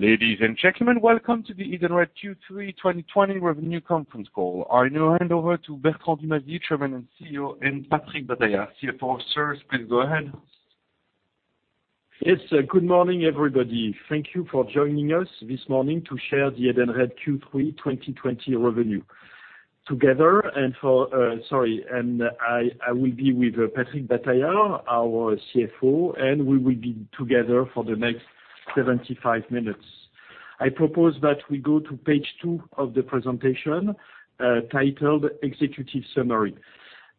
Ladies and gentlemen, welcome to the Edenred Q3 2020 Revenue Conference call. I now hand over to Bertrand Dumazy, Chairman and CEO, and Patrick Bataillard, CFO of Edenred. Please go ahead. Yes, good morning, everybody. Thank you for joining us this morning to share the Edenred Q3 2020 Revenue. Together, I will be with Patrick Bataillard, our CFO, and we will be together for the next 75 minutes. I propose that we go to page two of the presentation titled "Executive Summary."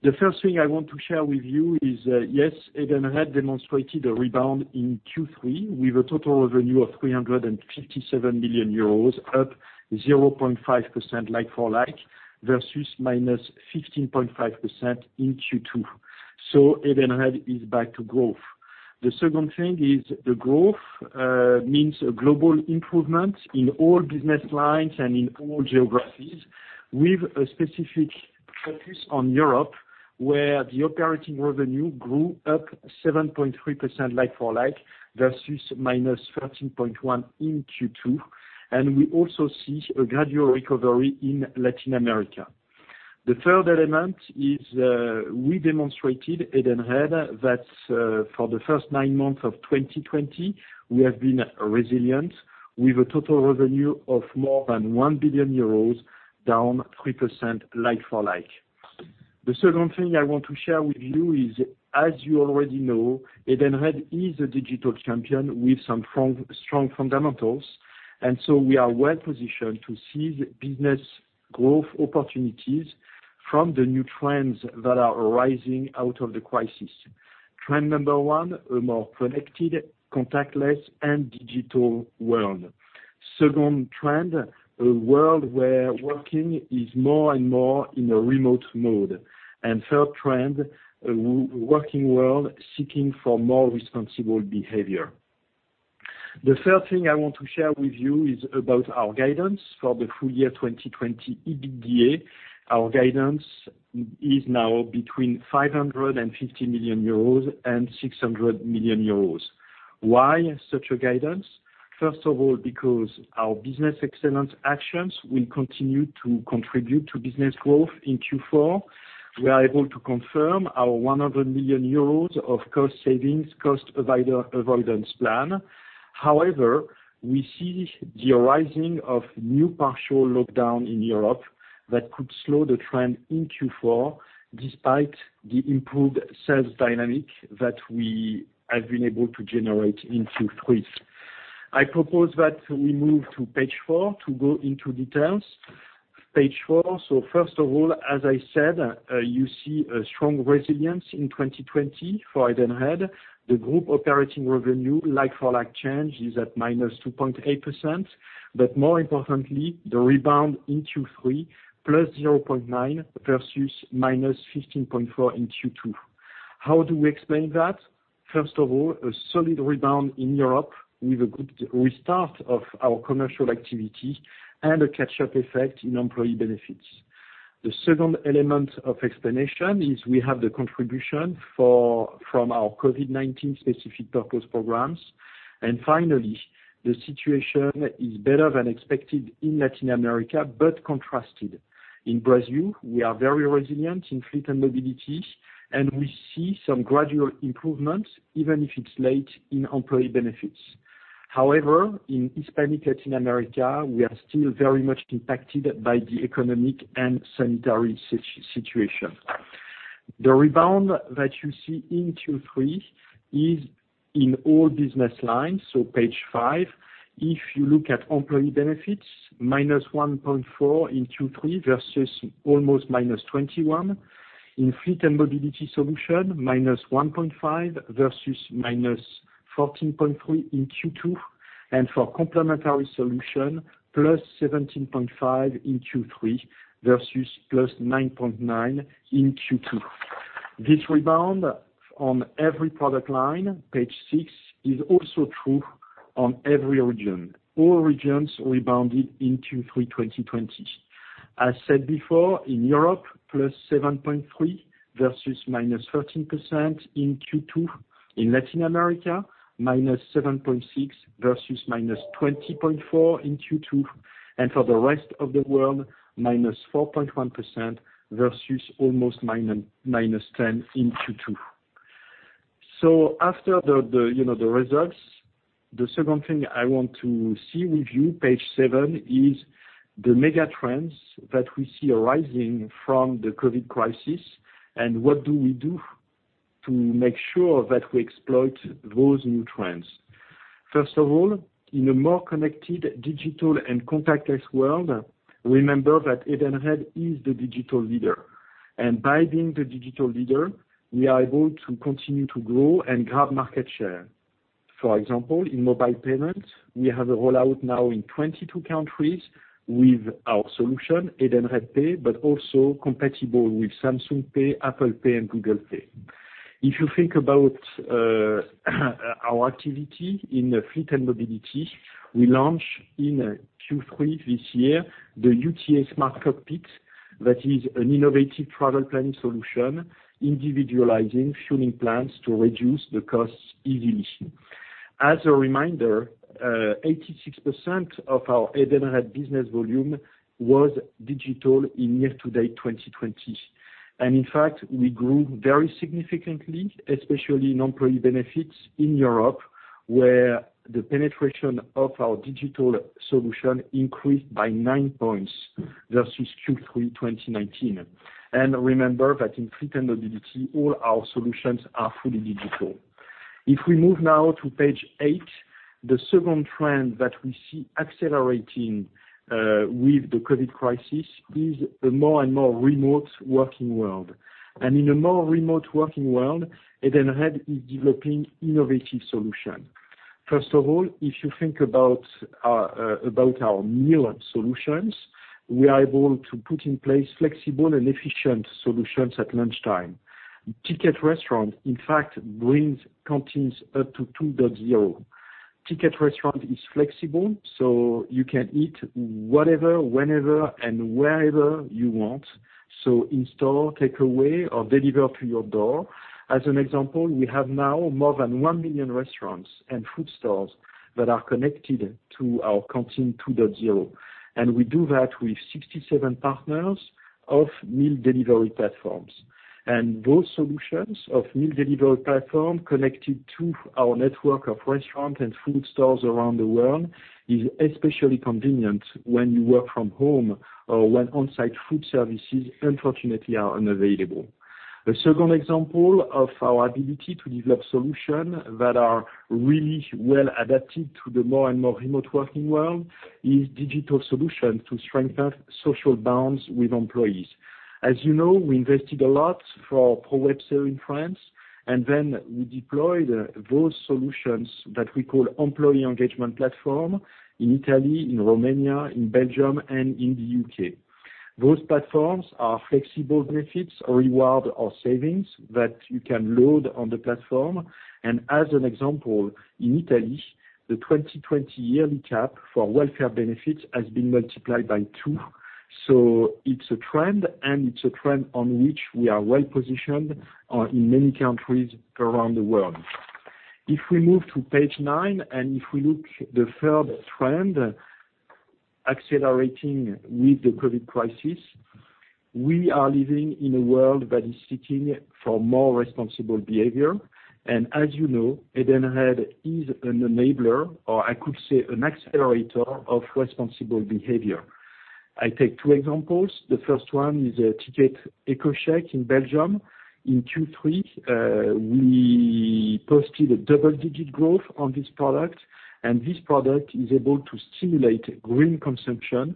The first thing I want to share with you is, yes, Edenred demonstrated a rebound in Q3 with a total revenue of 357 million euros, up 0.5% like-for-like versus minus 15.5% in Q2. So Edenred is back to growth. The second thing is the growth means a global improvement in all business lines and in all geographies, with a specific focus on Europe, where the operating revenue grew up 7.3% like-for-like versus minus 13.1% in Q2. We also see a gradual recovery in Latin America. The third element is we demonstrated Edenred that for the first nine months of 2020, we have been resilient, with a total revenue of more than EURO 1 billion, down 3% like-for-like. The second thing I want to share with you is, as you already know, Edenred is a digital champion with some strong fundamentals, and so we are well positioned to seize business growth opportunities from the new trends that are arising out of the crisis. Trend number one: a more connected, contactless, and digital world. Second trend: a world where working is more and more in a remote mode, and third trend: a working world seeking for more responsible behavior. The third thing I want to share with you is about our guidance for the full year 2020 EBITDA. Our guidance is now between EURO 550 million and EURO 600 million. Why such a guidance? First of all, because our Business Excellence actions will continue to contribute to business growth in Q4. We are able to confirm our EURO 100 million of cost savings cost avoidance plan. However, we see the arising of new partial lockdown in Europe that could slow the trend in Q4, despite the improved sales dynamic that we have been able to generate in Q3. I propose that we move to page four to go into details. Page four. So first of all, as I said, you see a strong resilience in 2020 for Edenred. The group operating revenue like-for-like change is at -2.8%. But more importantly, the rebound in Q3, +0.9% versus -15.4% in Q2. How do we explain that? First of all, a solid rebound in Europe with a good restart of our commercial activity and a catch-up effect in employee benefits. The second element of explanation is we have the contribution from our COVID-19 specific purpose programs, and finally, the situation is better than expected in Latin America, but contrasted. In Brazil, we are very resilient in fleet and mobility, and we see some gradual improvement, even if it's late, in employee benefits. However, in Hispanic Latin America, we are still very much impacted by the economic and sanitary situation. The rebound that you see in Q3 is in all business lines, so page five, if you look at employee benefits, minus 1.4% in Q3 versus almost minus 21%. In fleet and mobility solution, minus 1.5% versus minus 14.3% in Q2. And for complementary solution, plus 17.5% in Q3 versus plus 9.9% in Q2. This rebound on every product line, page six, is also true on every region. All regions rebounded in Q3 2020. As said before, in Europe, plus 7.3% versus minus 13% in Q2. In Latin America, minus 7.6% versus minus 20.4% in Q2. And for the rest of the world, minus 4.1% versus almost minus 10% in Q2. So after the results, the second thing I want to see with you, page seven, is the mega trends that we see arising from the COVID crisis. And what do we do to make sure that we exploit those new trends? First of all, in a more connected digital and contactless world, remember that Edenred is the digital leader. And by being the digital leader, we are able to continue to grow and grab market share. For example, in mobile payments, we have a rollout now in 22 countries with our solution, Edenred Pay, but also compatible with Samsung Pay, Apple Pay, and Google Pay. If you think about our activity in fleet and mobility, we launched in Q3 this year the UTA SmartCockpit that is an innovative travel planning solution, individualizing fueling plans to reduce the costs easily. As a reminder, 86% of our Edenred business volume was digital in year-to-date 2020, and in fact, we grew very significantly, especially in employee benefits in Europe, where the penetration of our digital solution increased by nine points versus Q3 2019, and remember that in fleet and mobility, all our solutions are fully digital. If we move now to page eight, the second trend that we see accelerating with the COVID crisis is a more and more remote working world, and in a more remote working world, Edenred is developing innovative solutions. First of all, if you think about our meal solutions, we are able to put in place flexible and efficient solutions at lunchtime. Ticket Restaurant, in fact, brings canteens up to 2.0. Ticket Restaurant is flexible, so you can eat whatever, whenever, and wherever you want: in-store, takeaway, or deliver to your door. As an example, we have now more than one million restaurants and food stalls that are connected to our Canteen 2.0, and we do that with 67 partners of meal delivery platforms, and those solutions of meal delivery platforms connected to our network of restaurants and food stalls around the world are especially convenient when you work from home or when on-site food services, unfortunately, are unavailable. A second example of our ability to develop solutions that are really well adapted to the more and more remote working world is digital solutions to strengthen social bonds with employees. As you know, we invested a lot for ProwebCE in France, and then we deployed those solutions that we call employee engagement platforms in Italy, in Romania, in Belgium, and in the UK. Those platforms are flexible benefits, rewards, or savings that you can load on the platform. And as an example, in Italy, the 2020 yearly cap for welfare benefits has been multiplied by two. So it's a trend, and it's a trend on which we are well positioned in many countries around the world. If we move to page nine, and if we look at the third trend accelerating with the COVID crisis, we are living in a world that is seeking for more responsible behavior. And as you know, Edenred is an enabler, or I could say an accelerator, of responsible behavior. I take two examples. The first one is a Ticket EcoCheque in Belgium. In Q3, we posted a double-digit growth on this product. This product is able to stimulate green consumption.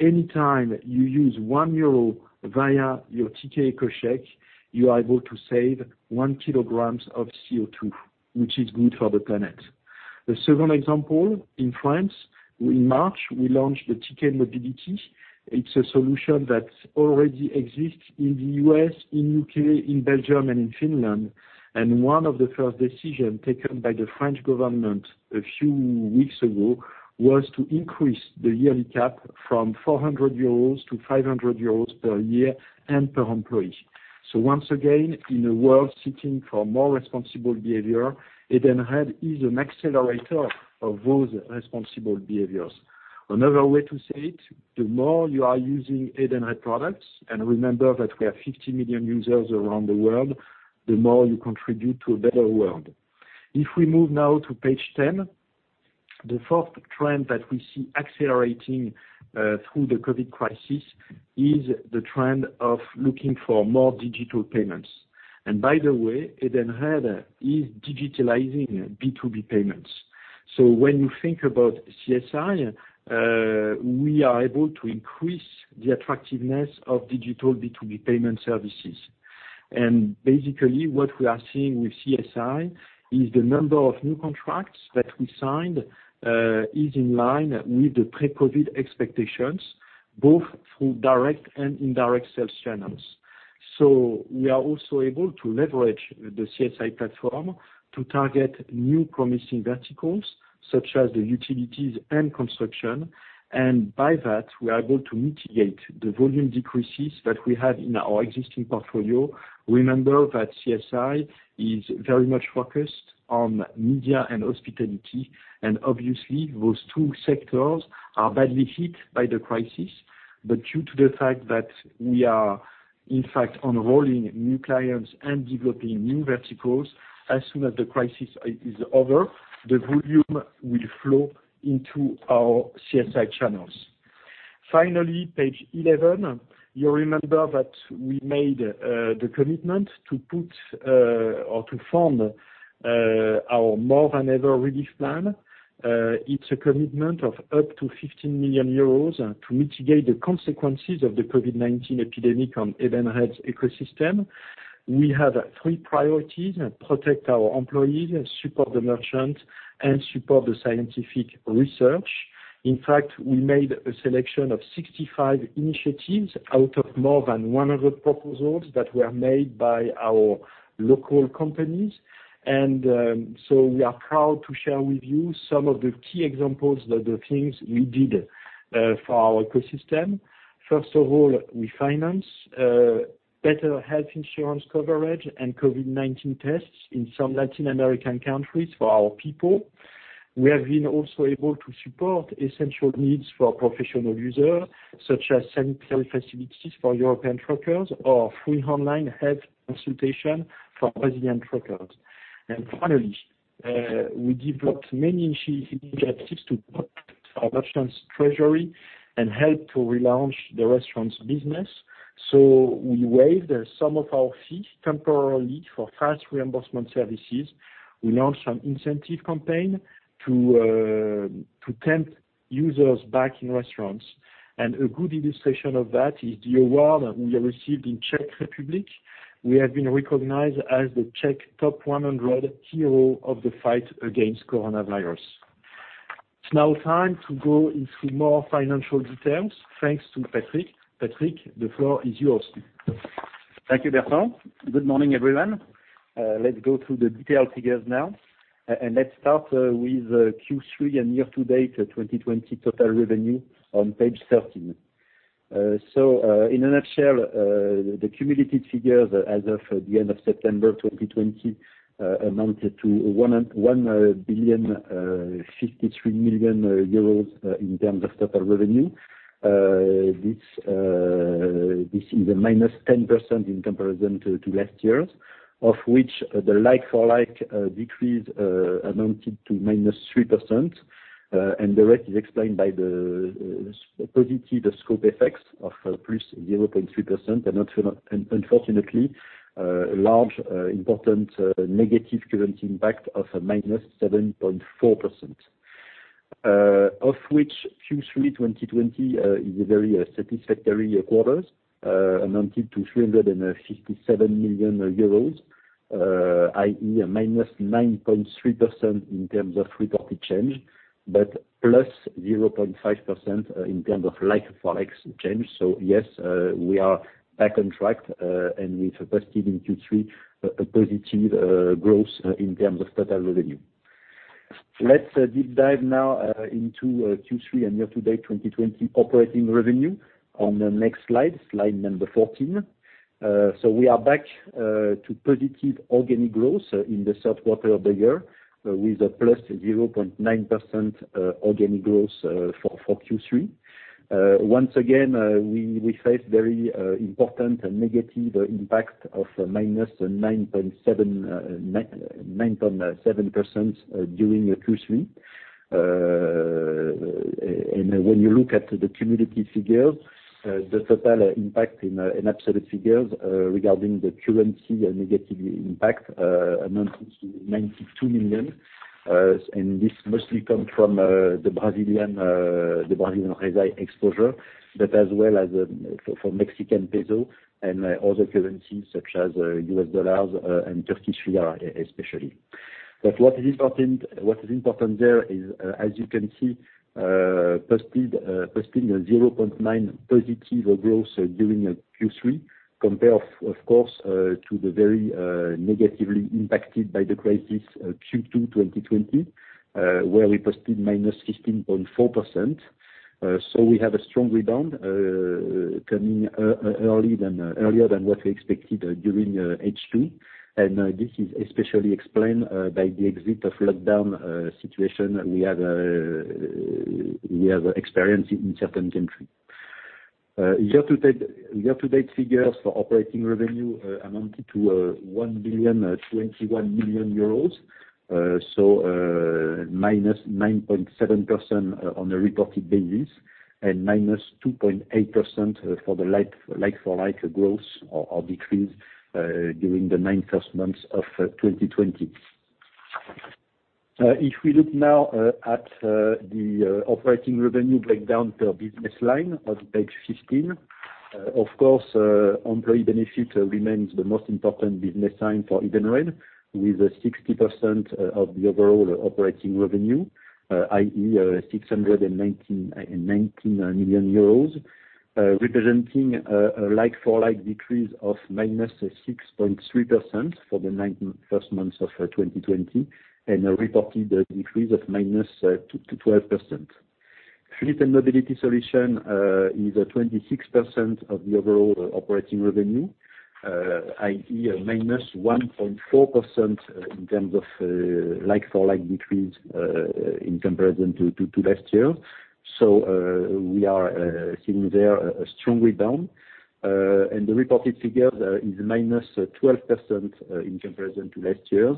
Anytime you use 1 euro via your Ticket EcoCheque, you are able to save one kilogram of CO2, which is good for the planet. A second example, in France, in March, we launched the Ticket Mobility. It's a solution that already exists in the US, in the UK, in Belgium, and in Finland. One of the first decisions taken by the French government a few weeks ago was to increase the yearly cap from 400 euros to 500 euros per year and per employee. Once again, in a world seeking for more responsible behavior, Edenred is an accelerator of those responsible behaviors. Another way to say it, the more you are using Edenred products, and remember that we have 50 million users around the world, the more you contribute to a better world. If we move now to page 10, the fourth trend that we see accelerating through the COVID crisis is the trend of looking for more digital payments, and by the way, Edenred is digitalizing B2B payments, so when you think about CSI, we are able to increase the attractiveness of digital B2B payment services, and basically, what we are seeing with CSI is the number of new contracts that we signed is in line with the pre-COVID expectations, both through direct and indirect sales channels, so we are also able to leverage the CSI platform to target new promising verticals, such as utilities and construction. By that, we are able to mitigate the volume decreases that we have in our existing portfolio. Remember that CSI is very much focused on media and hospitality. Obviously, those two sectors are badly hit by the crisis. Due to the fact that we are, in fact, enrolling new clients and developing new verticals, as soon as the crisis is over, the volume will flow into our CSI channels. Finally, page 11, you remember that we made the commitment to put or to fund our More-Than-Ever Relief Plan. It's a commitment of up to EURO 15 million to mitigate the consequences of the COVID-19 epidemic on Edenred's ecosystem. We have three priorities: protect our employees, support the merchants, and support the scientific research. In fact, we made a selection of 65 initiatives out of more than 100 proposals that were made by our local companies. We are proud to share with you some of the key examples of the things we did for our ecosystem. First of all, we finance better health insurance coverage and COVID-19 tests in some Latin American countries for our people. We have been also able to support essential needs for professional users, such as sanitary facilities for European truckers or free online health consultation for Brazilian truckers. Finally, we developed many initiatives to protect our merchants' treasury and help to relaunch the restaurant's business. We waived some of our fees temporarily for fast reimbursement services. We launched an incentive campaign to tempt users back in restaurants. A good illustration of that is the award we received in the Czech Republic. We have been recognized as the Czech Top 100 Hero of the Fight Against Coronavirus. It's now time to go into more financial details. Thanks to Patrick. Patrick, the floor is yours. Thank you, Bertrand. Good morning, everyone. Let's go through the detailed figures now. And let's start with Q3 and year-to-date 2020 total revenue on page 13. So in a nutshell, the cumulated figures as of the end of September 2020 amounted to 1.53 million euros in terms of total revenue. This is a minus 10% in comparison to last year, of which the like-for-like decrease amounted to minus 3%. And the rest is explained by the positive scope effects of plus 0.3% and, unfortunately, a large, important negative currency impact of minus 7.4%. Of which, Q3 2020 is a very satisfactory quarter, amounted to 357 million euros, i.e., a minus 9.3% in terms of reported change, but plus 0.5% in terms of like-for-like change. So yes, we are back on track and we've posted in Q3 a positive growth in terms of total revenue. Let's deep dive now into Q3 and year-to-date 2020 operating revenue on the next slide, slide number 14. So we are back to positive organic growth in the third quarter of the year with a +0.9% organic growth for Q3. Once again, we faced very important and negative impact of -9.7% during Q3. And when you look at the cumulative figures, the total impact in absolute figures regarding the currency negative impact amounted to EURO 92 million. And this mostly comes from the Brazilian reais exposure, but as well as for Mexican peso and other currencies such as US dollars and Turkish lira, especially. But what is important there is, as you can see, posting a 0.9% positive growth during Q3, compared, of course, to the very negatively impacted by the crisis Q2 2020, where we posted -15.4%. We have a strong rebound coming earlier than what we expected during H2. And this is especially explained by the exit of lockdown situation we have experienced in certain countries. Year-to-date figures for operating revenue amounted to EURO 1.21 million, so -9.7% on a reported basis and -2.8% for the like-for-like growth or decrease during the nine first months of 2020. If we look now at the operating revenue breakdown per business line on page 15, of course, employee benefit remains the most important business line for Edenred, with 60% of the overall operating revenue, i.e., EURO 619 million, representing a like-for-like decrease of -6.3% for the nine first months of 2020 and a reported decrease of -12%. Fleet and mobility solution is 26% of the overall operating revenue, i.e., -1.4% in terms of like-for-like decrease in comparison to last year. We are seeing there a strong rebound. The reported figure is -12% in comparison to last year.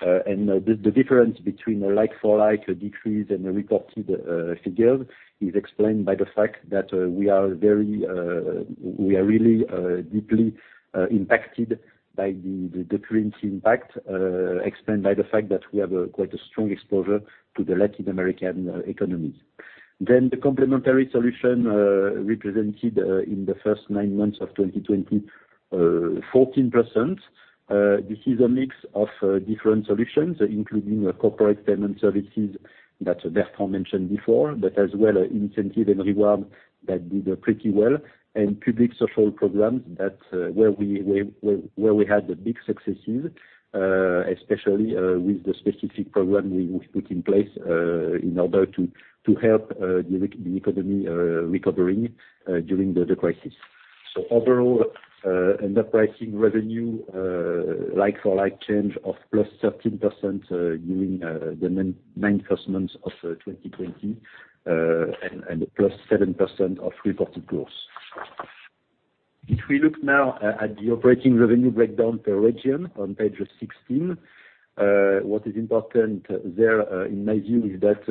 The difference between a like-for-like decrease and the reported figures is explained by the fact that we are really deeply impacted by the currency impact, explained by the fact that we have quite a strong exposure to the Latin American economy. The complementary solution represented in the first nine months of 2020 14%. This is a mix of different solutions, including corporate payment services that Bertrand mentioned before, but as well incentive and reward that did pretty well, and public social programs where we had big successes, especially with the specific program we put in place in order to help the economy recovering during the crisis. Overall, enterprising revenue like-for-like change of +13% during the first nine months of 2020 and +7% of reported growth. If we look now at the operating revenue breakdown per region on page 16, what is important there, in my view, is that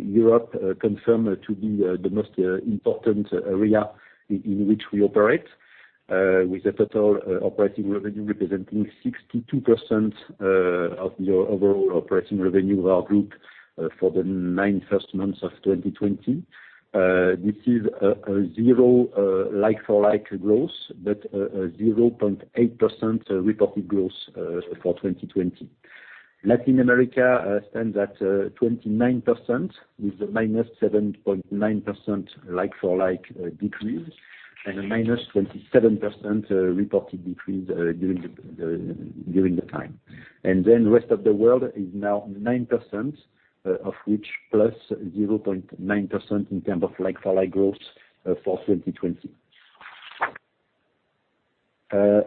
Europe confirmed to be the most important area in which we operate, with a total operating revenue representing 62% of the overall operating revenue of our group for the nine first months of 2020. This is a zero like-for-like growth, but a 0.8% reported growth for 2020. Latin America stands at 29% with a minus 7.9% like-for-like decrease and a minus 27% reported decrease during the time. And then the rest of the world is now 9%, of which plus 0.9% in terms of like-for-like growth for 2020.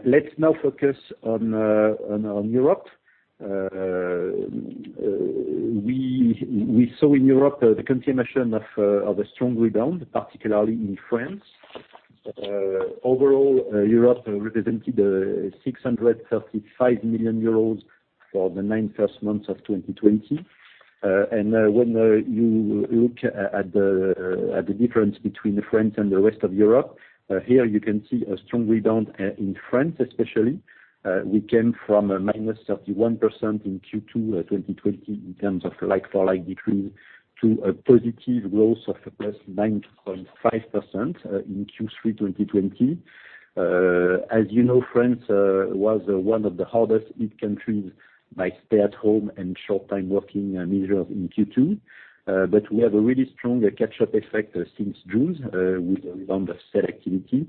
Let's now focus on Europe. We saw in Europe the confirmation of a strong rebound, particularly in France. Overall, Europe represented 635 million euros for the nine first months of 2020. When you look at the difference between France and the rest of Europe, here you can see a strong rebound in France, especially. We came from a -31% in Q2 2020 in terms of like-for-like decrease to a positive growth of +9.5% in Q3 2020. As you know, France was one of the hardest-hit countries by stay-at-home and short-time working measures in Q2. But we have a really strong catch-up effect since June, with a rebound of sales activity.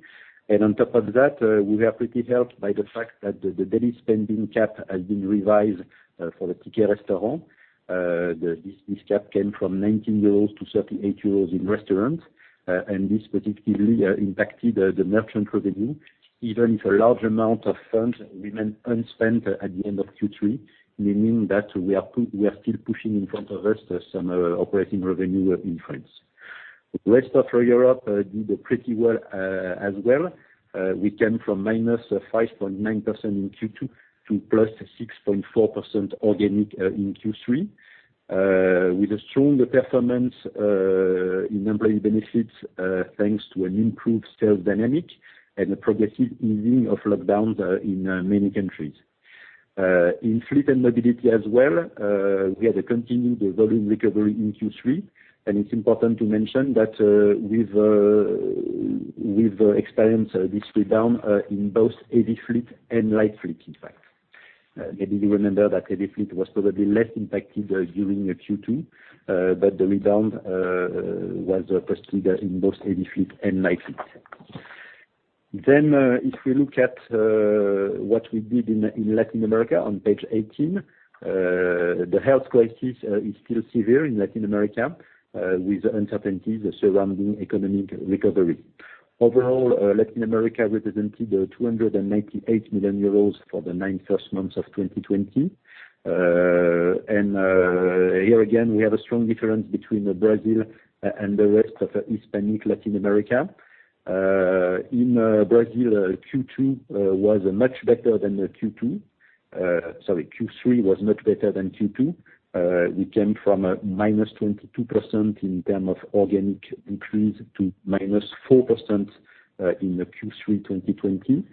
And on top of that, we were pretty helped by the fact that the daily spending cap has been revised for the Ticket Restaurant. This cap came from EURO 19 to EURO 38 in restaurants. And this positively impacted the merchant revenue, even if a large amount of funds remained unspent at the end of Q3, meaning that we are still pushing in front of us some operating revenue in France. The rest of Europe did pretty well as well. We came from -5.9% in Q2 to +6.4% organic in Q3, with a strong performance in employee benefits thanks to an improved sales dynamic and a progressive easing of lockdowns in many countries. In fleet and mobility as well, we had a continued volume recovery in Q3. And it's important to mention that we've experienced this rebound in both heavy fleet and light fleet, in fact. Maybe you remember that heavy fleet was probably less impacted during Q2, but the rebound was posted in both heavy fleet and light fleet. Then if we look at what we did in Latin America on page 18, the health crisis is still severe in Latin America, with uncertainties surrounding economic recovery. Overall, Latin America represented 298 million euros for the nine first months of 2020. And here again, we have a strong difference between Brazil and the rest of Hispanic Latin America. In Brazil, Q2 was much better than Q2. Sorry, Q3 was much better than Q2. We came from minus 22% in terms of organic decrease to minus 4% in Q3 2020.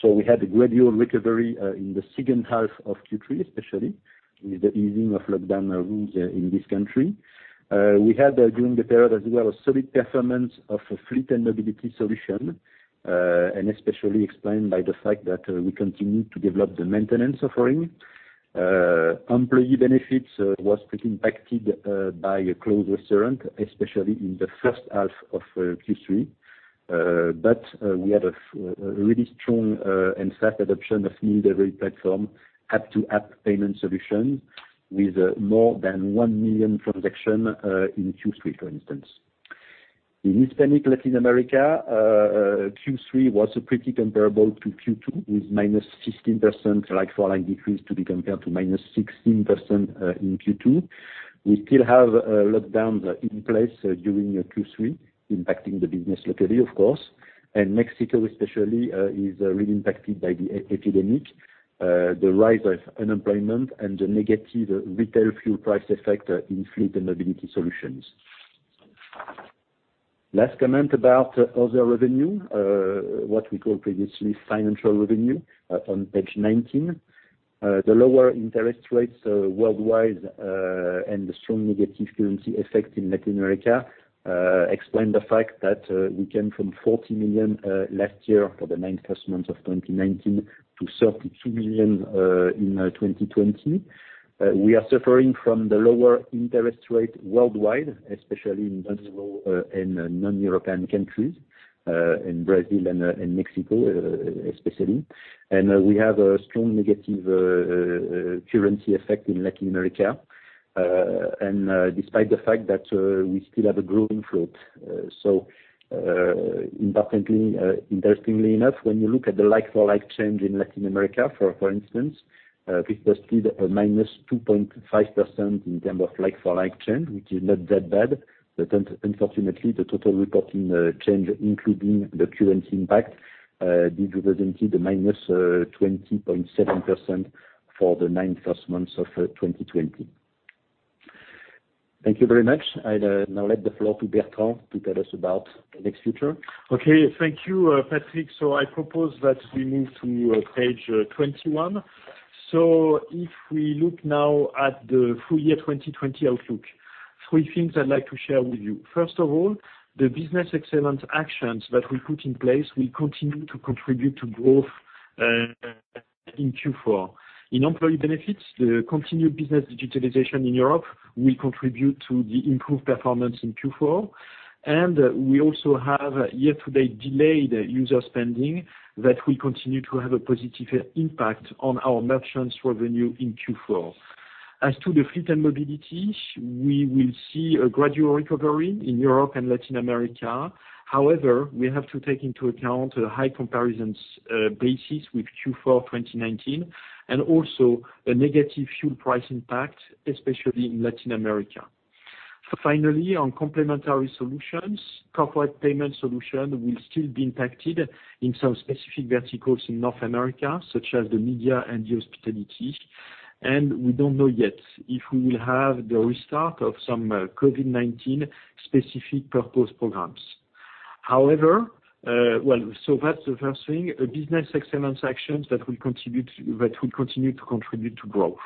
So we had a gradual recovery in the second half of Q3, especially with the easing of lockdown rules in this country. We had, during the period as well, a solid performance of fleet and mobility solution, and especially explained by the fact that we continued to develop the maintenance offering. Employee benefits were pretty impacted by closed restaurants, especially in the first half of Q3. But we had a really strong and fast adoption of new delivery platform, app-to-app payment solutions, with more than 1 million transactions in Q3, for instance. In Hispanic Latin America, Q3 was pretty comparable to Q2, with minus 15% like-for-like decrease to be compared to minus 16% in Q2. We still have lockdowns in place during Q3, impacting the business locally, of course. And Mexico, especially, is really impacted by the epidemic, the rise of unemployment, and the negative retail fuel price effect in fleet and mobility solutions. Last comment about other revenue, what we called previously financial revenue, on page 19. The lower interest rates worldwide and the strong negative currency effect in Latin America explain the fact that we came from 40 million last year for the nine first months of 2019 to 32 million in 2020. We are suffering from the lower interest rate worldwide, especially in non-European countries, in Brazil and Mexico, especially. And we have a strong negative currency effect in Latin America. And despite the fact that we still have a growing float. So interestingly enough, when you look at the like-for-like change in Latin America, for instance, we posted a minus 2.5% in terms of like-for-like change, which is not that bad. But unfortunately, the total reporting change, including the currency impact, did represent the minus 20.7% for the nine first months of 2020. Thank you very much. I'll now let the floor to Bertrand to tell us about the next feature. Okay. Thank you, Patrick. I propose that we move to page 21. If we look now at the full year 2020 outlook, three things I'd like to share with you. First of all, the Business Excellence actions that we put in place will continue to contribute to growth in Q4. In employee benefits, the continued business digitalization in Europe will contribute to the improved performance in Q4. And we also have year-to-date delayed user spending that will continue to have a positive impact on our merchants' revenue in Q4. As to the fleet and mobility, we will see a gradual recovery in Europe and Latin America. However, we have to take into account a high comparison basis with Q4 2019 and also a negative fuel price impact, especially in Latin America. Finally, on complementary solutions, corporate payment solutions will still be impacted in some specific verticals in North America, such as the media and the hospitality. And we don't know yet if we will have the restart of some COVID-19 specific purpose programs. However, well, so that's the first thing, Business Excellence actions that will continue to contribute to growth.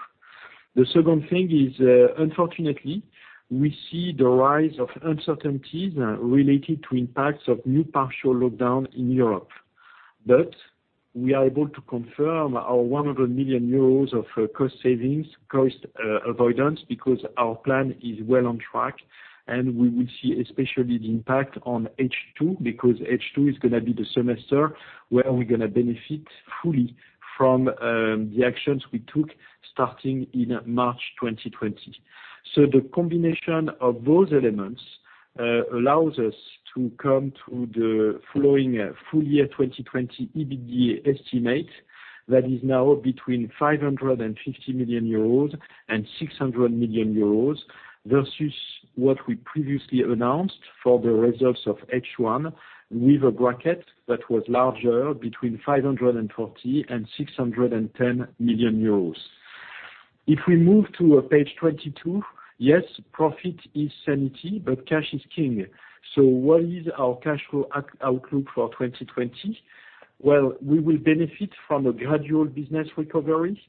The second thing is, unfortunately, we see the rise of uncertainties related to impacts of new partial lockdown in Europe. But we are able to confirm our 100 million euros of cost savings, cost avoidance, because our plan is well on track. And we will see especially the impact on H2, because H2 is going to be the semester where we're going to benefit fully from the actions we took starting in March 2020. The combination of those elements allows us to come to the following full year 2020 EBITDA estimate that is now between EURO 550 million and EURO 600 million versus what we previously announced for the results of H1, with a bracket that was larger between EURO 540 and EURO 610 million. If we move to page 22. Yes, profit is sanity, but cash is king. So what is our cash flow outlook for 2020? Well, we will benefit from a gradual business recovery.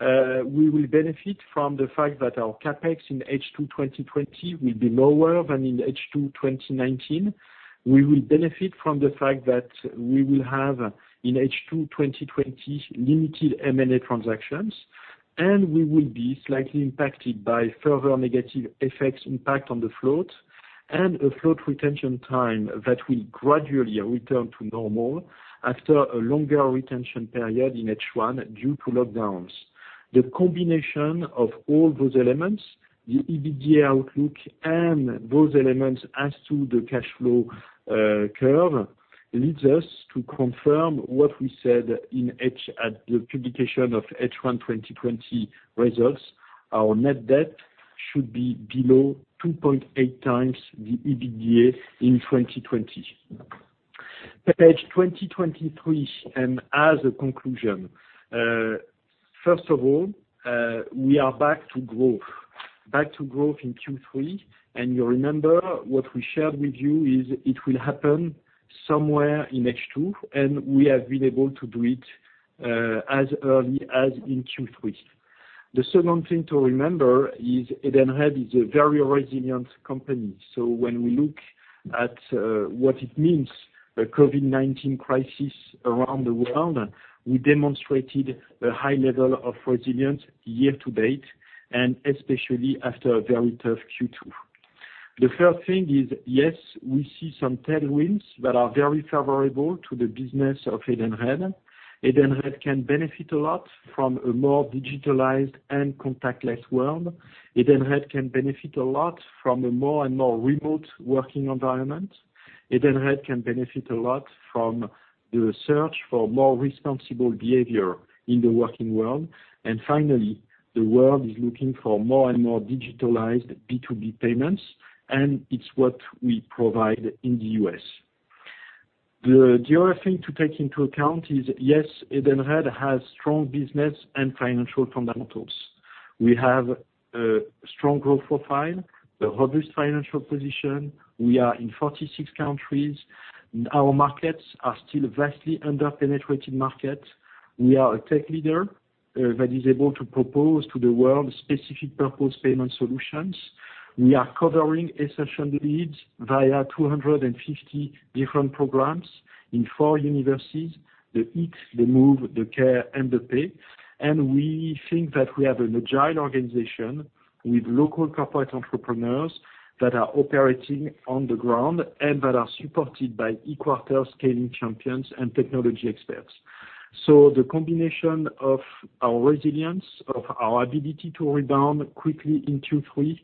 We will benefit from the fact that our CapEx in H2 2020 will be lower than in H2 2019. We will benefit from the fact that we will have in H2 2020 limited M&A transactions. And we will be slightly impacted by further negative effects impact on the float and a float retention time that will gradually return to normal after a longer retention period in H1 due to lockdowns. The combination of all those elements, the EBITDA outlook, and those elements as to the cash flow curve leads us to confirm what we said in the publication of H1 2020 results. Our net debt should be below 2.8 times the EBITDA in 2020. Page 2023, and as a conclusion, first of all, we are back to growth. Back to growth in Q3. And you remember what we shared with you is it will happen somewhere in H2. And we have been able to do it as early as in Q3. The second thing to remember is Edenred is a very resilient company. So when we look at what it means, the COVID-19 crisis around the world, we demonstrated a high level of resilience year-to-date, and especially after a very tough Q2. The first thing is, yes, we see some tailwinds that are very favorable to the business of Edenred. Edenred can benefit a lot from a more digitalized and contactless world. Edenred can benefit a lot from a more and more remote working environment. Edenred can benefit a lot from the search for more responsible behavior in the working world. And finally, the world is looking for more and more digitalized B2B payments. And it's what we provide in the U.S. The other thing to take into account is, yes, Edenred has strong business and financial fundamentals. We have a strong growth profile, a robust financial position. We are in 46 countries. Our markets are still vastly under-penetrated markets. We are a tech leader that is able to propose to the world specific purpose payment solutions. We are covering essential needs via 250 different programs in four universes: the eat, the move, the care, and the pay. And we think that we have an agile organization with local corporate entrepreneurs that are operating on the ground and that are supported by e-quarters, scaling champions, and technology experts. So the combination of our resilience, of our ability to rebound quickly in Q3,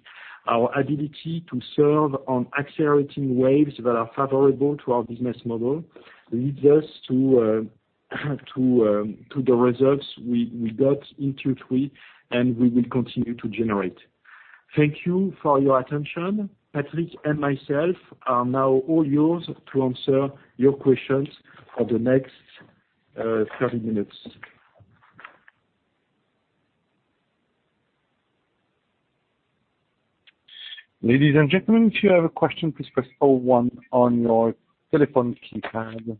our ability to serve on accelerating waves that are favorable to our business model leads us to the results we got in Q3, and we will continue to generate. Thank you for your attention. Patrick and myself are now all yours to answer your questions for the next 30 minutes. Ladies and gentlemen, if you have a question, please press one on your telephone keypad.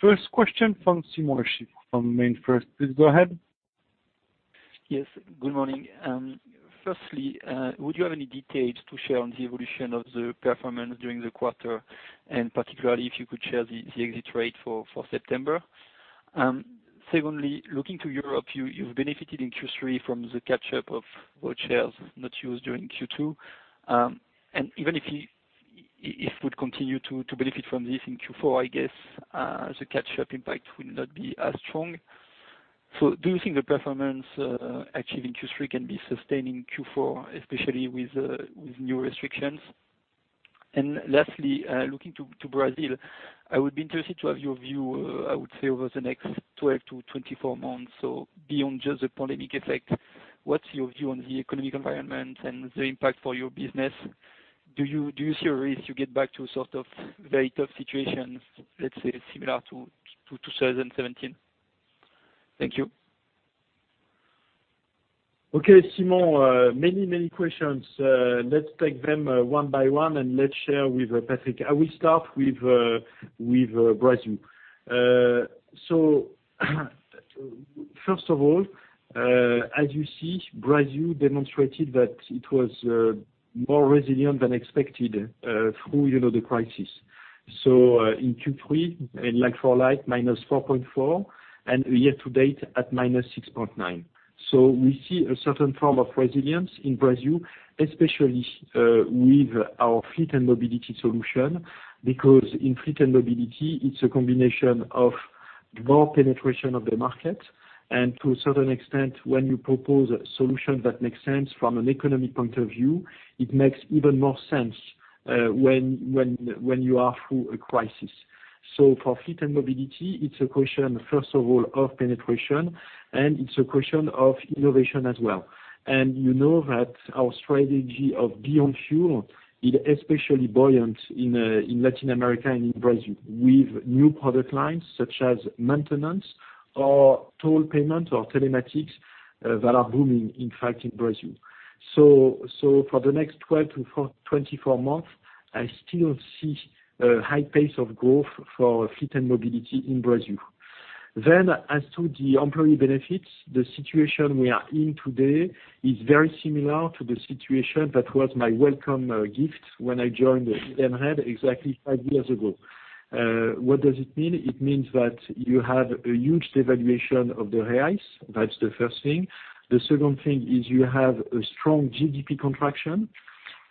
First question from Simon Rubinson from BNP Paribas. Please go ahead. Yes. Good morning. Firstly, would you have any details to share on the evolution of the performance during the quarter, and particularly if you could share the exit rate for September? Secondly, looking to Europe, you've benefited in Q3 from the catch-up of shares not used during Q2. And even if you would continue to benefit from this in Q4, I guess the catch-up impact would not be as strong. So do you think the performance achieved in Q3 can be sustained in Q4, especially with new restrictions? And lastly, looking to Brazil, I would be interested to have your view, I would say, over the next 12 to 24 months. So beyond just the pandemic effect, what's your view on the economic environment and the impact for your business? Do you see a risk you get back to a sort of very tough situation, let's say, similar to 2017?Thank you. Okay. Simon, many, many questions. Let's take them one by one and let's share with Patrick. I will start with Brazil. So first of all, as you see, Brazil demonstrated that it was more resilient than expected through the crisis. So in Q3, in like-for-like, -4.4%, and year-to-date at -6.9%. So we see a certain form of resilience in Brazil, especially with our fleet and mobility solution, because in fleet and mobility, it's a combination of more penetration of the market. And to a certain extent, when you propose a solution that makes sense from an economic point of view, it makes even more sense when you are through a crisis. So for fleet and mobility, it's a question, first of all, of penetration, and it's a question of innovation as well. You know that our strategy of beyond fuel is especially buoyant in Latin America and in Brazil with new product lines such as maintenance or toll payment or telematics that are booming, in fact, in Brazil. For the next 12 to 24 months, I still see a high pace of growth for fleet and mobility in Brazil. As to the employee benefits, the situation we are in today is very similar to the situation that was my welcome gift when I joined Edenred exactly five years ago. What does it mean? It means that you have a huge devaluation of the reais. That's the first thing. The second thing is you have a strong GDP contraction.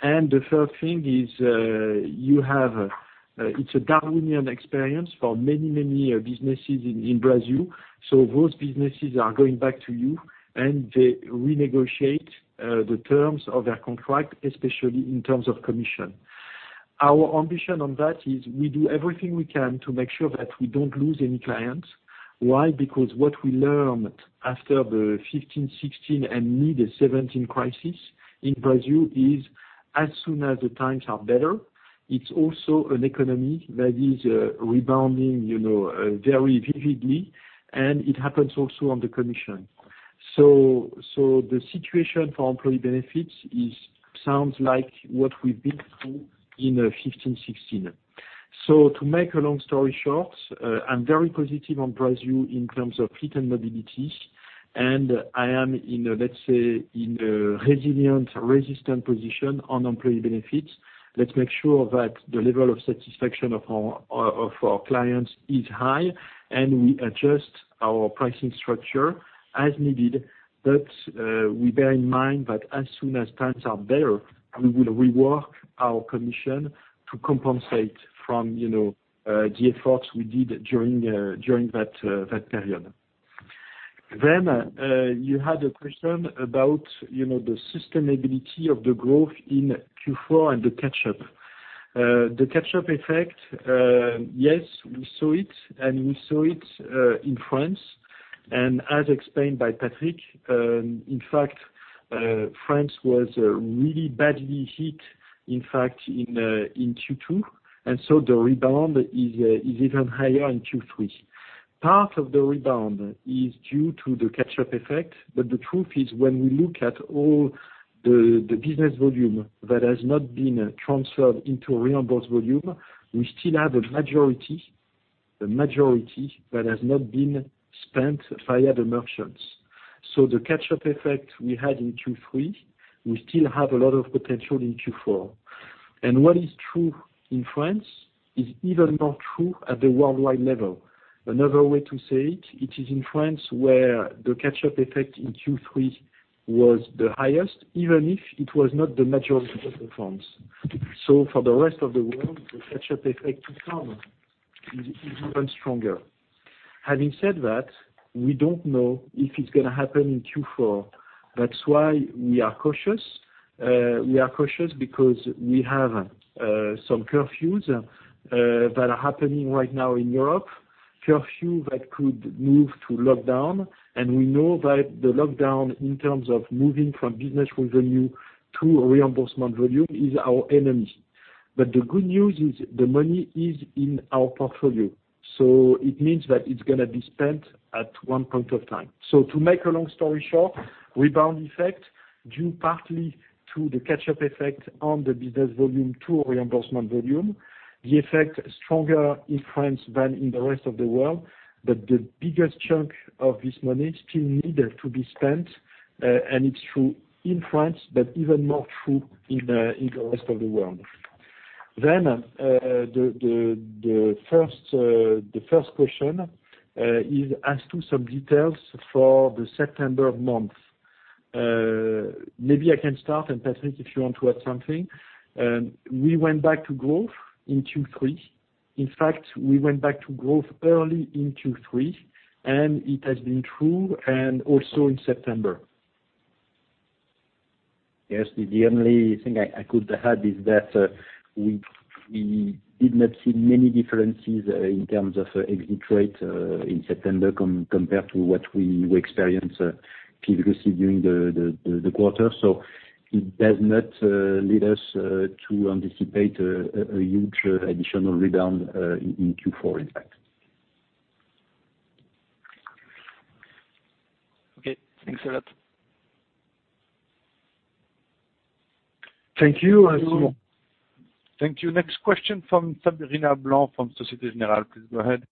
The third thing is you have. It's a Darwinian experience for many, many businesses in Brazil. So those businesses are going back to you, and they renegotiate the terms of their contract, especially in terms of commission. Our ambition on that is we do everything we can to make sure that we don't lose any clients. Why? Because what we learned after the 2015, 2016, and mid-2017 crisis in Brazil is, as soon as the times are better, it's also an economy that is rebounding very vividly. And it happens also on the commission. So the situation for employee benefits sounds like what we've been through in 2015, 2016. So to make a long story short, I'm very positive on Brazil in terms of fleet and mobility. And I am, let's say, in a resilient, resistant position on employee benefits. Let's make sure that the level of satisfaction of our clients is high, and we adjust our pricing structure as needed. But we bear in mind that as soon as times are better, we will rework our commission to compensate from the efforts we did during that period. Then you had a question about the sustainability of the growth in Q4 and the catch-up. The catch-up effect, yes, we saw it. And we saw it in France. And as explained by Patrick, in fact, France was really badly hit, in fact, in Q2. And so the rebound is even higher in Q3. Part of the rebound is due to the catch-up effect. But the truth is, when we look at all the business volume that has not been transferred into reimbursed volume, we still have a majority that has not been spent via the merchants. So the catch-up effect we had in Q3, we still have a lot of potential in Q4. What is true in France is even more true at the worldwide level. Another way to say it, it is in France where the catch-up effect in Q3 was the highest, even if it was not the majority of the firms, so for the rest of the world, the catch-up effect to come is even stronger. Having said that, we don't know if it's going to happen in Q4. That's why we are cautious. We are cautious because we have some curfews that are happening right now in Europe, curfews that could move to lockdown, and we know that the lockdown, in terms of moving from business revenue to reimbursement volume, is our enemy, but the good news is the money is in our portfolio, so it means that it's going to be spent at one point of time. So, to make a long story short, rebound effect due partly to the catch-up effect on the business volume to reimbursement volume, the effect stronger in France than in the rest of the world. But the biggest chunk of this money still needs to be spent. And it's true in France, but even more true in the rest of the world. Then the first question is as to some details for the September month. Maybe I can start, and Patrick, if you want to add something. We went back to growth in Q3. In fact, we went back to growth early in Q3. And it has been true and also in September. Yes. The only thing I could add is that we did not see many differences in terms of exit rate in September compared to what we experienced previously during the quarter. So it does not lead us to anticipate a huge additional rebound in Q4, in fact. Okay. Thanks a lot. Thank you, Simon. Thank you. Next question from Sabrina Blanc from Societe Generale. Please go ahead.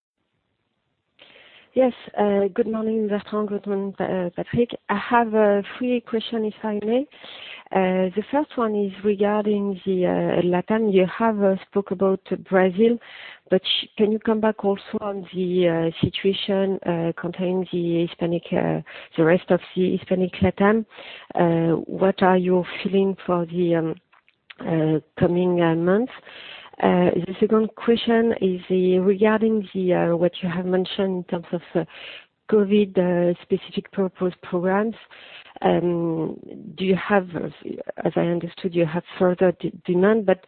Yes. Good morning, Bertrand. Good morning, Patrick. I have three questions, if I may. The first one is regarding the LATAM. You have spoken about Brazil, but can you come back also on the situation concerning the rest of the Hispanic LATAM? What are your feelings for the coming months? The second question is regarding what you have mentioned in terms of COVID-specific support programs. As I understand, you have further demand. But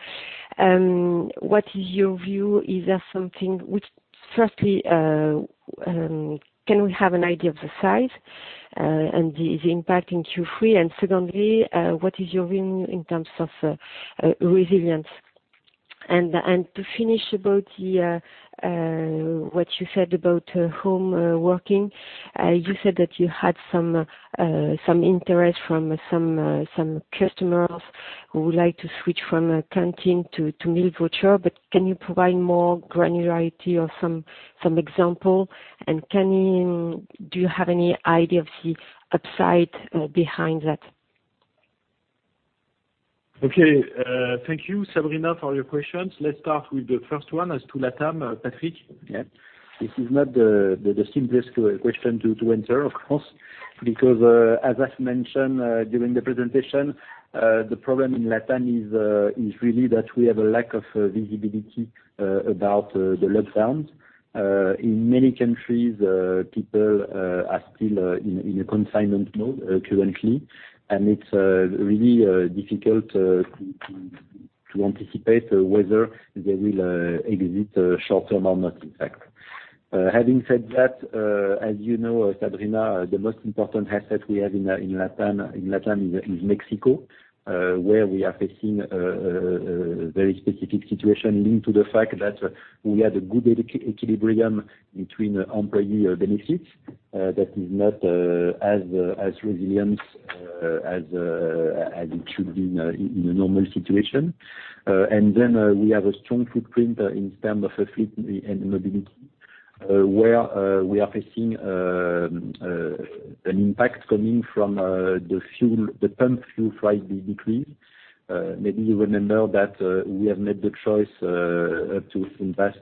what is your view? Is there something which, firstly, can we have an idea of the size and the impact in Q3? And secondly, what is your view in terms of resilience? And to finish about what you said about home working, you said that you had some interest from some customers who would like to switch from canteen to meal voucher. But can you provide more granularity or some example? Do you have any idea of the upside behind that? Okay. Thank you, Sabrina, for your questions. Let's start with the first one as to LATAM, Patrick. Yeah. This is not the simplest question to answer, of course, because, as I've mentioned during the presentation, the problem in LATAM is really that we have a lack of visibility about the lockdowns. In many countries, people are still in a confinement mode currently. And it's really difficult to anticipate whether they will exit short term or not, in fact. Having said that, as you know, Sabrina, the most important asset we have in LATAM is Mexico, where we are facing a very specific situation linked to the fact that we had a good equilibrium between employee benefits that is not as resilient as it should be in a normal situation. And then we have a strong footprint in terms of fleet and mobility, where we are facing an impact coming from the pump fuel price decrease. Maybe you remember that we have made the choice to invest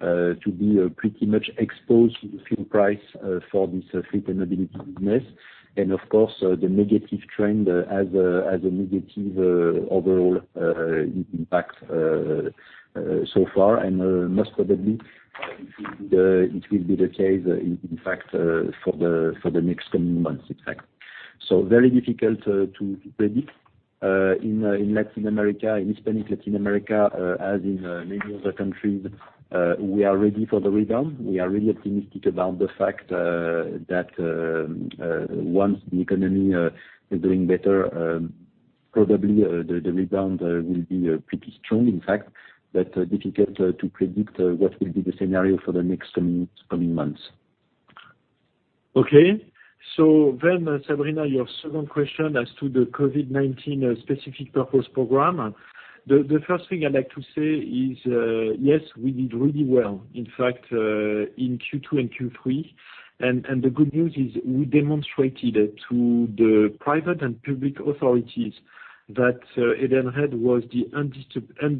to be pretty much exposed to the fuel price for this fleet and mobility business, and of course, the negative trend has a negative overall impact so far, and most probably, it will be the case, in fact, for the next coming months, in fact, so very difficult to predict. In Hispanic Latin America, as in many other countries, we are ready for the rebound. We are really optimistic about the fact that once the economy is doing better, probably the rebound will be pretty strong, in fact, but difficult to predict what will be the scenario for the next coming months. Okay. So then, Sabrina, your second question as to the COVID-19 specific purpose program, the first thing I'd like to say is, yes, we did really well, in fact, in Q2 and Q3. And the good news is we demonstrated to the private and public authorities that Edenred was the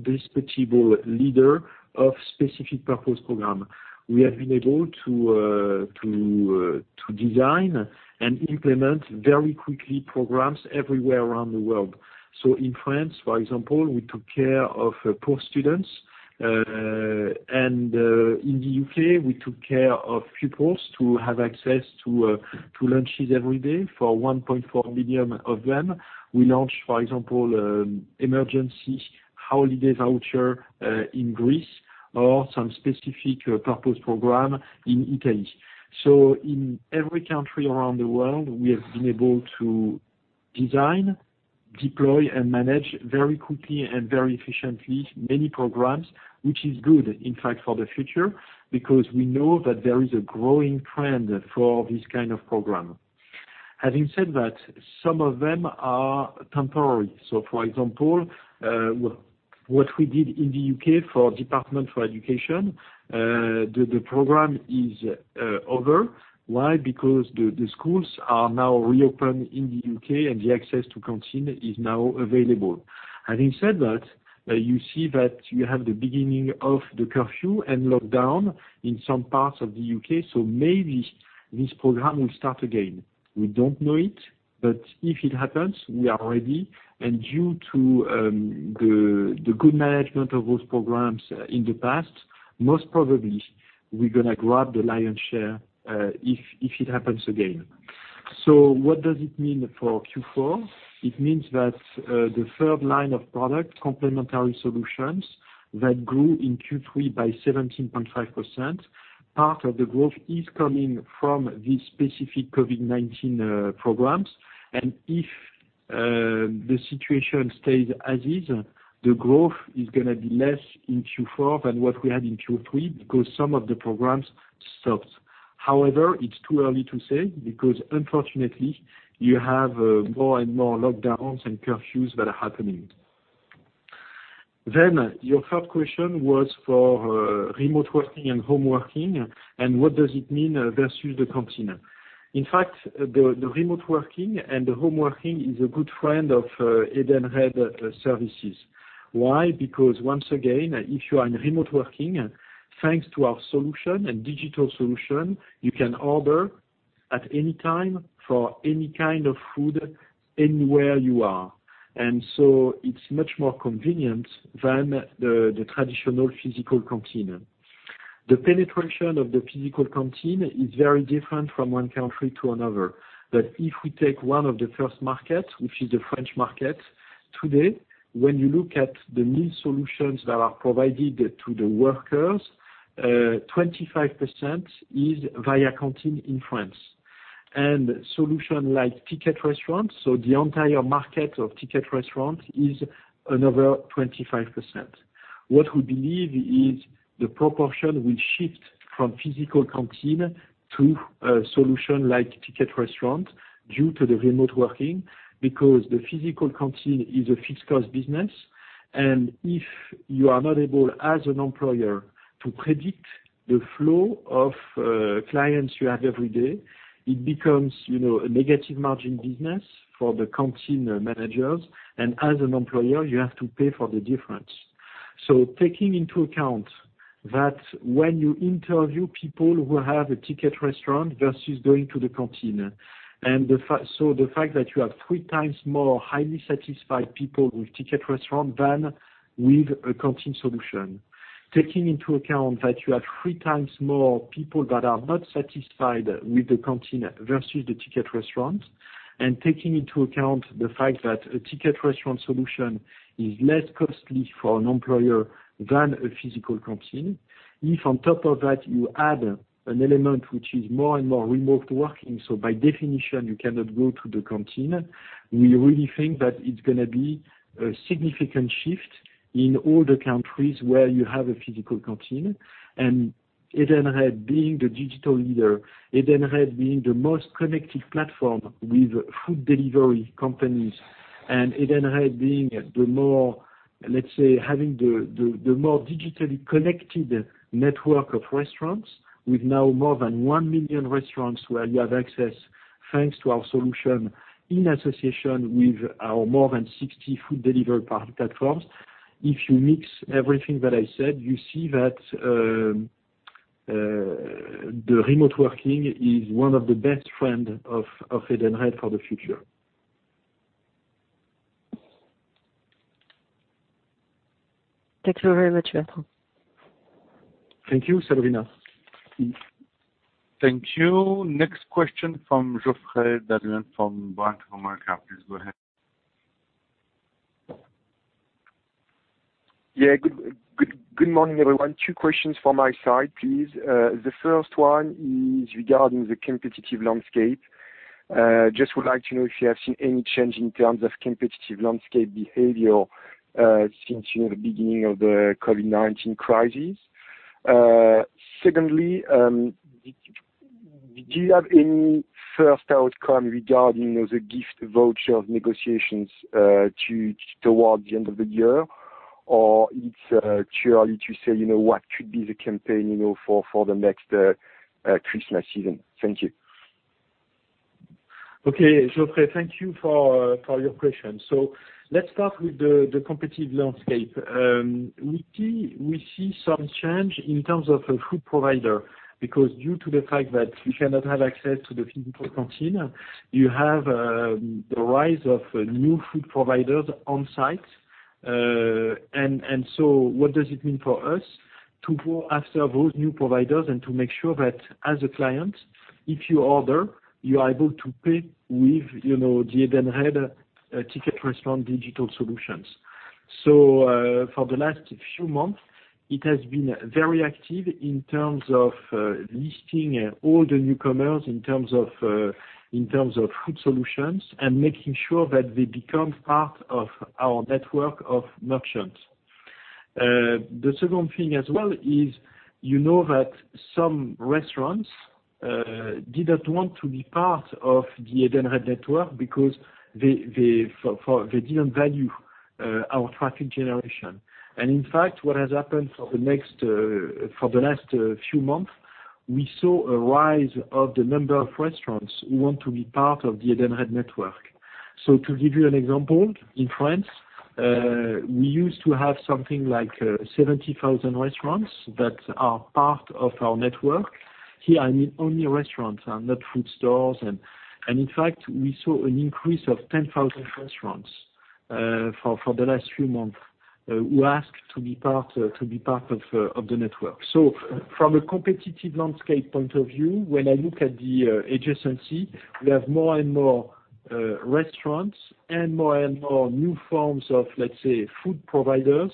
indisputable leader of specific purpose program. We have been able to design and implement very quickly programs everywhere around the world. So in France, for example, we took care of poor students. And in the U.K., we took care of pupils to have access to lunches every day for 1.4 million of them. We launched, for example, emergency holiday voucher in Greece or some specific purpose program in Italy. In every country around the world, we have been able to design, deploy, and manage very quickly and very efficiently many programs, which is good, in fact, for the future because we know that there is a growing trend for this kind of program. Having said that, some of them are temporary. For example, what we did in the U.K. for Department for Education, the program is over. Why? Because the schools are now reopened in the U.K., and the access to canteen is now available. Having said that, you see that you have the beginning of the curfew and lockdown in some parts of the U.K. So maybe this program will start again. We don't know it. But if it happens, we are ready. Due to the good management of those programs in the past, most probably, we're going to grab the lion's share if it happens again. What does it mean for Q4? It means that the third line of product complementary solutions that grew in Q3 by 17.5%, part of the growth is coming from these specific COVID-19 programs. If the situation stays as is, the growth is going to be less in Q4 than what we had in Q3 because some of the programs stopped. However, it's too early to say because, unfortunately, you have more and more lockdowns and curfews that are happening. Your third question was for remote working and home working. What does it mean versus the canteen? In fact, the remote working and the home working is a good friend of Edenred services. Why? Because once again, if you are in remote working, thanks to our solution and digital solution, you can order at any time for any kind of food anywhere you are. And so it's much more convenient than the traditional physical canteen. The penetration of the physical canteen is very different from one country to another. But if we take one of the first markets, which is the French market, today, when you look at the meal solutions that are provided to the workers, 25% is via canteen in France. And solutions like Ticket Restaurant, so the entire market of Ticket Restaurant is another 25%. What we believe is the proportion will shift from physical canteen to a solution like Ticket Restaurant due to the remote working because the physical canteen is a fixed-cost business. If you are not able, as an employer, to predict the flow of clients you have every day, it becomes a negative margin business for the canteen managers. As an employer, you have to pay for the difference. So taking into account that when you interview people who have a Ticket Restaurant versus going to the canteen, so the fact that you have three times more highly satisfied people with Ticket Restaurant than with a canteen solution, taking into account that you have three times more people that are not satisfied with the canteen versus the Ticket Restaurant, and taking into account the fact that a Ticket Restaurant solution is less costly for an employer than a physical canteen, if on top of that you add an element which is more and more remote working, so by definition, you cannot go to the canteen, we really think that it is going to be a significant shift in all the countries where you have a physical canteen. Edenred, being the digital leader, Edenred being the most connected platform with food delivery companies, and Edenred being the more, let's say, having the more digitally connected network of restaurants with now more than one million restaurants where you have access thanks to our solution in association with our more than 60 food delivery platforms, if you mix everything that I said, you see that the remote working is one of the best friends of Edenred for the future. Thank you very much, Bertrand. Thank you, Sabrina. Thank you. Next question from Geoffroy de Mendez from Bank of America. Please go ahead. Yeah. Good morning, everyone. Two questions from my side, please. The first one is regarding the competitive landscape. Just would like to know if you have seen any change in terms of competitive landscape behavior since the beginning of the COVID-19 crisis. Secondly, do you have any first outcome regarding the gift voucher negotiations towards the end of the year, or it's too early to say what could be the campaign for the next Christmas season? Thank you. Okay. Geoffroy, thank you for your question, so let's start with the competitive landscape. We see some change in terms of food providers because due to the fact that you cannot have access to the physical canteen, you have the rise of new food providers on site, and so what does it mean for us to go after those new providers and to make sure that as a client, if you order, you are able to pay with the Edenred Ticket Restaurant digital solutions? So for the last few months, it has been very active in terms of listing all the newcomers in terms of food solutions and making sure that they become part of our network of merchants. The second thing as well is that some restaurants did not want to be part of the Edenred network because they didn't value our traffic generation. And in fact, what has happened for the last few months, we saw a rise of the number of restaurants who want to be part of the Edenred network. So to give you an example, in France, we used to have something like 70,000 restaurants that are part of our network. Here, I mean only restaurants, not food stores. And in fact, we saw an increase of 10,000 restaurants for the last few months who asked to be part of the network. So from a competitive landscape point of view, when I look at the adjacency, we have more and more restaurants and more and more new forms of, let's say, food providers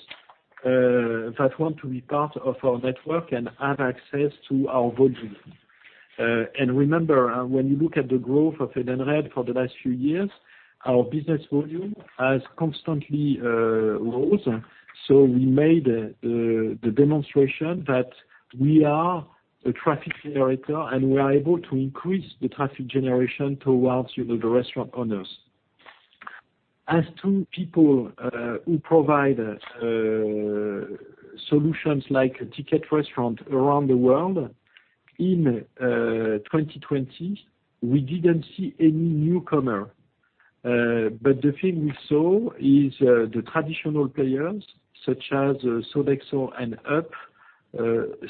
that want to be part of our network and have access to our volume. And remember, when you look at the growth of Edenred for the last few years, our business volume has constantly risen. So we made the demonstration that we are a traffic generator and we are able to increase the traffic generation towards the restaurant owners. As to people who provide solutions like Ticket Restaurants around the world, in 2020, we didn't see any newcomer. But the thing we saw is the traditional players such as Sodexo and Up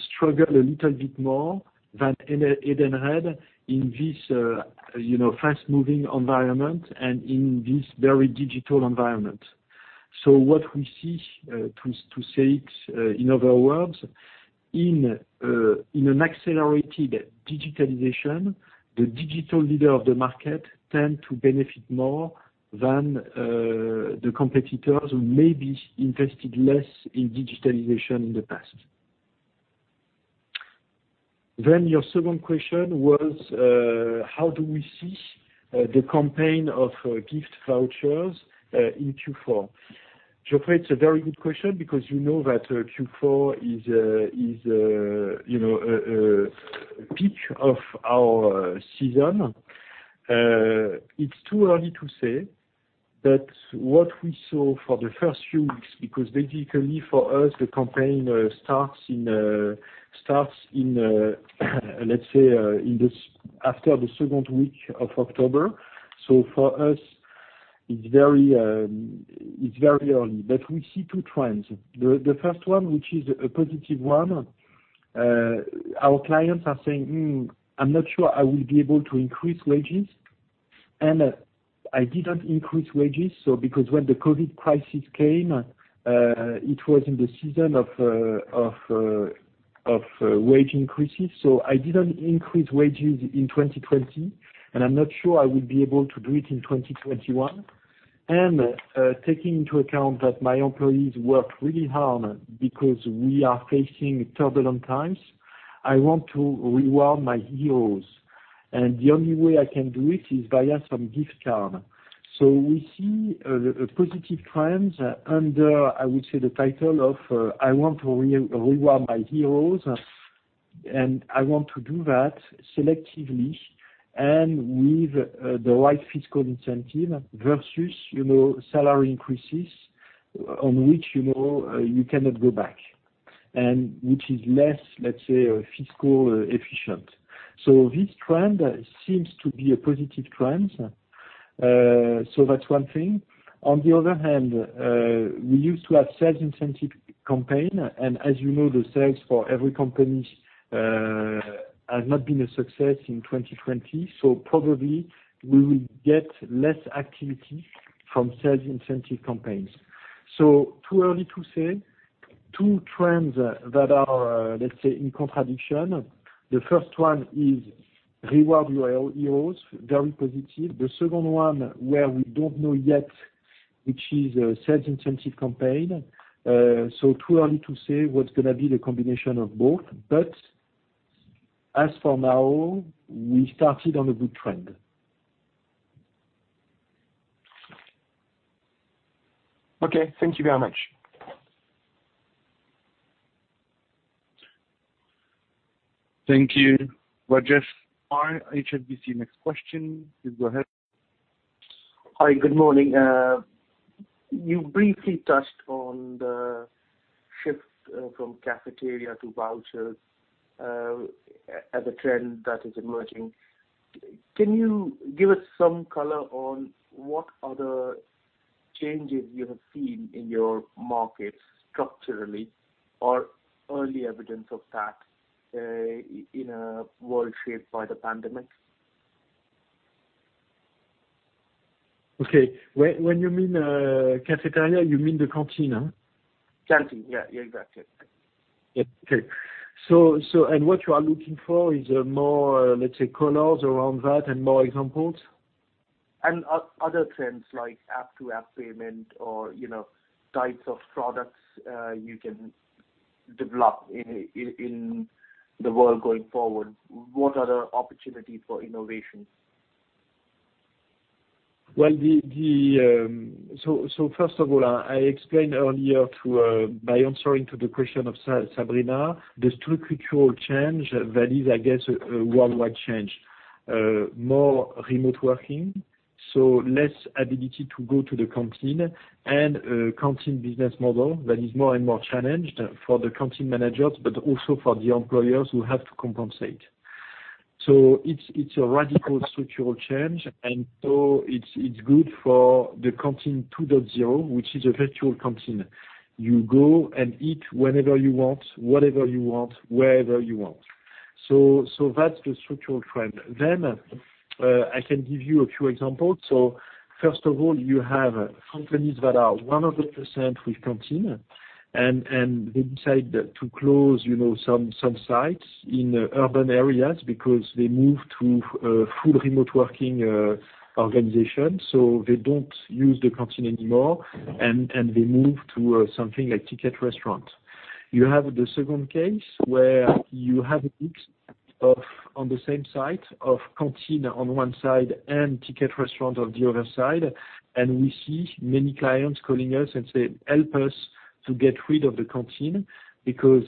struggle a little bit more than Edenred in this fast-moving environment and in this very digital environment. So what we see, to say it in other words, in an accelerated digitalization, the digital leader of the market tends to benefit more than the competitors who maybe invested less in digitalization in the past. Then your second question was, how do we see the campaign of gift vouchers in Q4? Geoffroy, it's a very good question because you know that Q4 is the peak of our season. It's too early to say. But what we saw for the first few weeks, because basically for us, the campaign starts in, let's say, after the second week of October. So for us, it's very early. But we see two trends. The first one, which is a positive one, our clients are saying, "I'm not sure I will be able to increase wages. And I didn't increase wages because when the COVID crisis came, it was in the season of wage increases. So I didn't increase wages in 2020, and I'm not sure I will be able to do it in 2021. And taking into account that my employees work really hard because we are facing turbulent times, I want to reward my heroes. And the only way I can do it is via some gift card. So we see positive trends under, I would say, the title of, "I want to reward my heroes," and I want to do that selectively and with the right fiscal incentive versus salary increases on which you cannot go back, and which is less, let's say, fiscally efficient. So this trend seems to be a positive trend. So that's one thing. On the other hand, we used to have sales incentive campaign. And as you know, the sales force of every company has not been a success in 2020. So probably we will get less activity from sales incentive campaigns. So too early to say. Two trends that are, let's say, in contradiction. The first one is reward your heroes, very positive. The second one where we don't know yet, which is sales incentive campaign. So too early to say what's going to be the combination of both. But as for now, we started on a good trend. Okay. Thank you very much. Thank you, Rajesh. HSBC. Next question, please go ahead. Hi. Good morning. You briefly touched on the shift from cafeteria to vouchers as a trend that is emerging. Can you give us some color on what other changes you have seen in your markets structurally or early evidence of that in a world shaped by the pandemic? Okay. When you mean cafeteria, you mean the canteen, huh? Canteen. Yeah. Yeah. Exactly. Okay. And what you are looking for is more, let's say, colors around that and more examples? Other trends like app-to-app payment or types of products you can develop in the world going forward. What other opportunities for innovation? First of all, I explained earlier by answering to the question of Sabrina, the structural change that is, I guess, a worldwide change. More remote working, so less ability to go to the canteen, and a canteen business model that is more and more challenged for the canteen managers, but also for the employers who have to compensate. It's a radical structural change. It's good for the Canteen 2.0, which is a virtual canteen. You go and eat whenever you want, whatever you want, wherever you want. That's the structural trend. I can give you a few examples. First of all, you have companies that are 100% with canteen, and they decide to close some sites in urban areas because they moved to full remote working organizations. They don't use the canteen anymore, and they moved to something like Ticket Restaurant. You have the second case where you have a mix on the same side of canteen on one side and Ticket Restaurant on the other side, and we see many clients calling us and saying, "Help us to get rid of the canteen because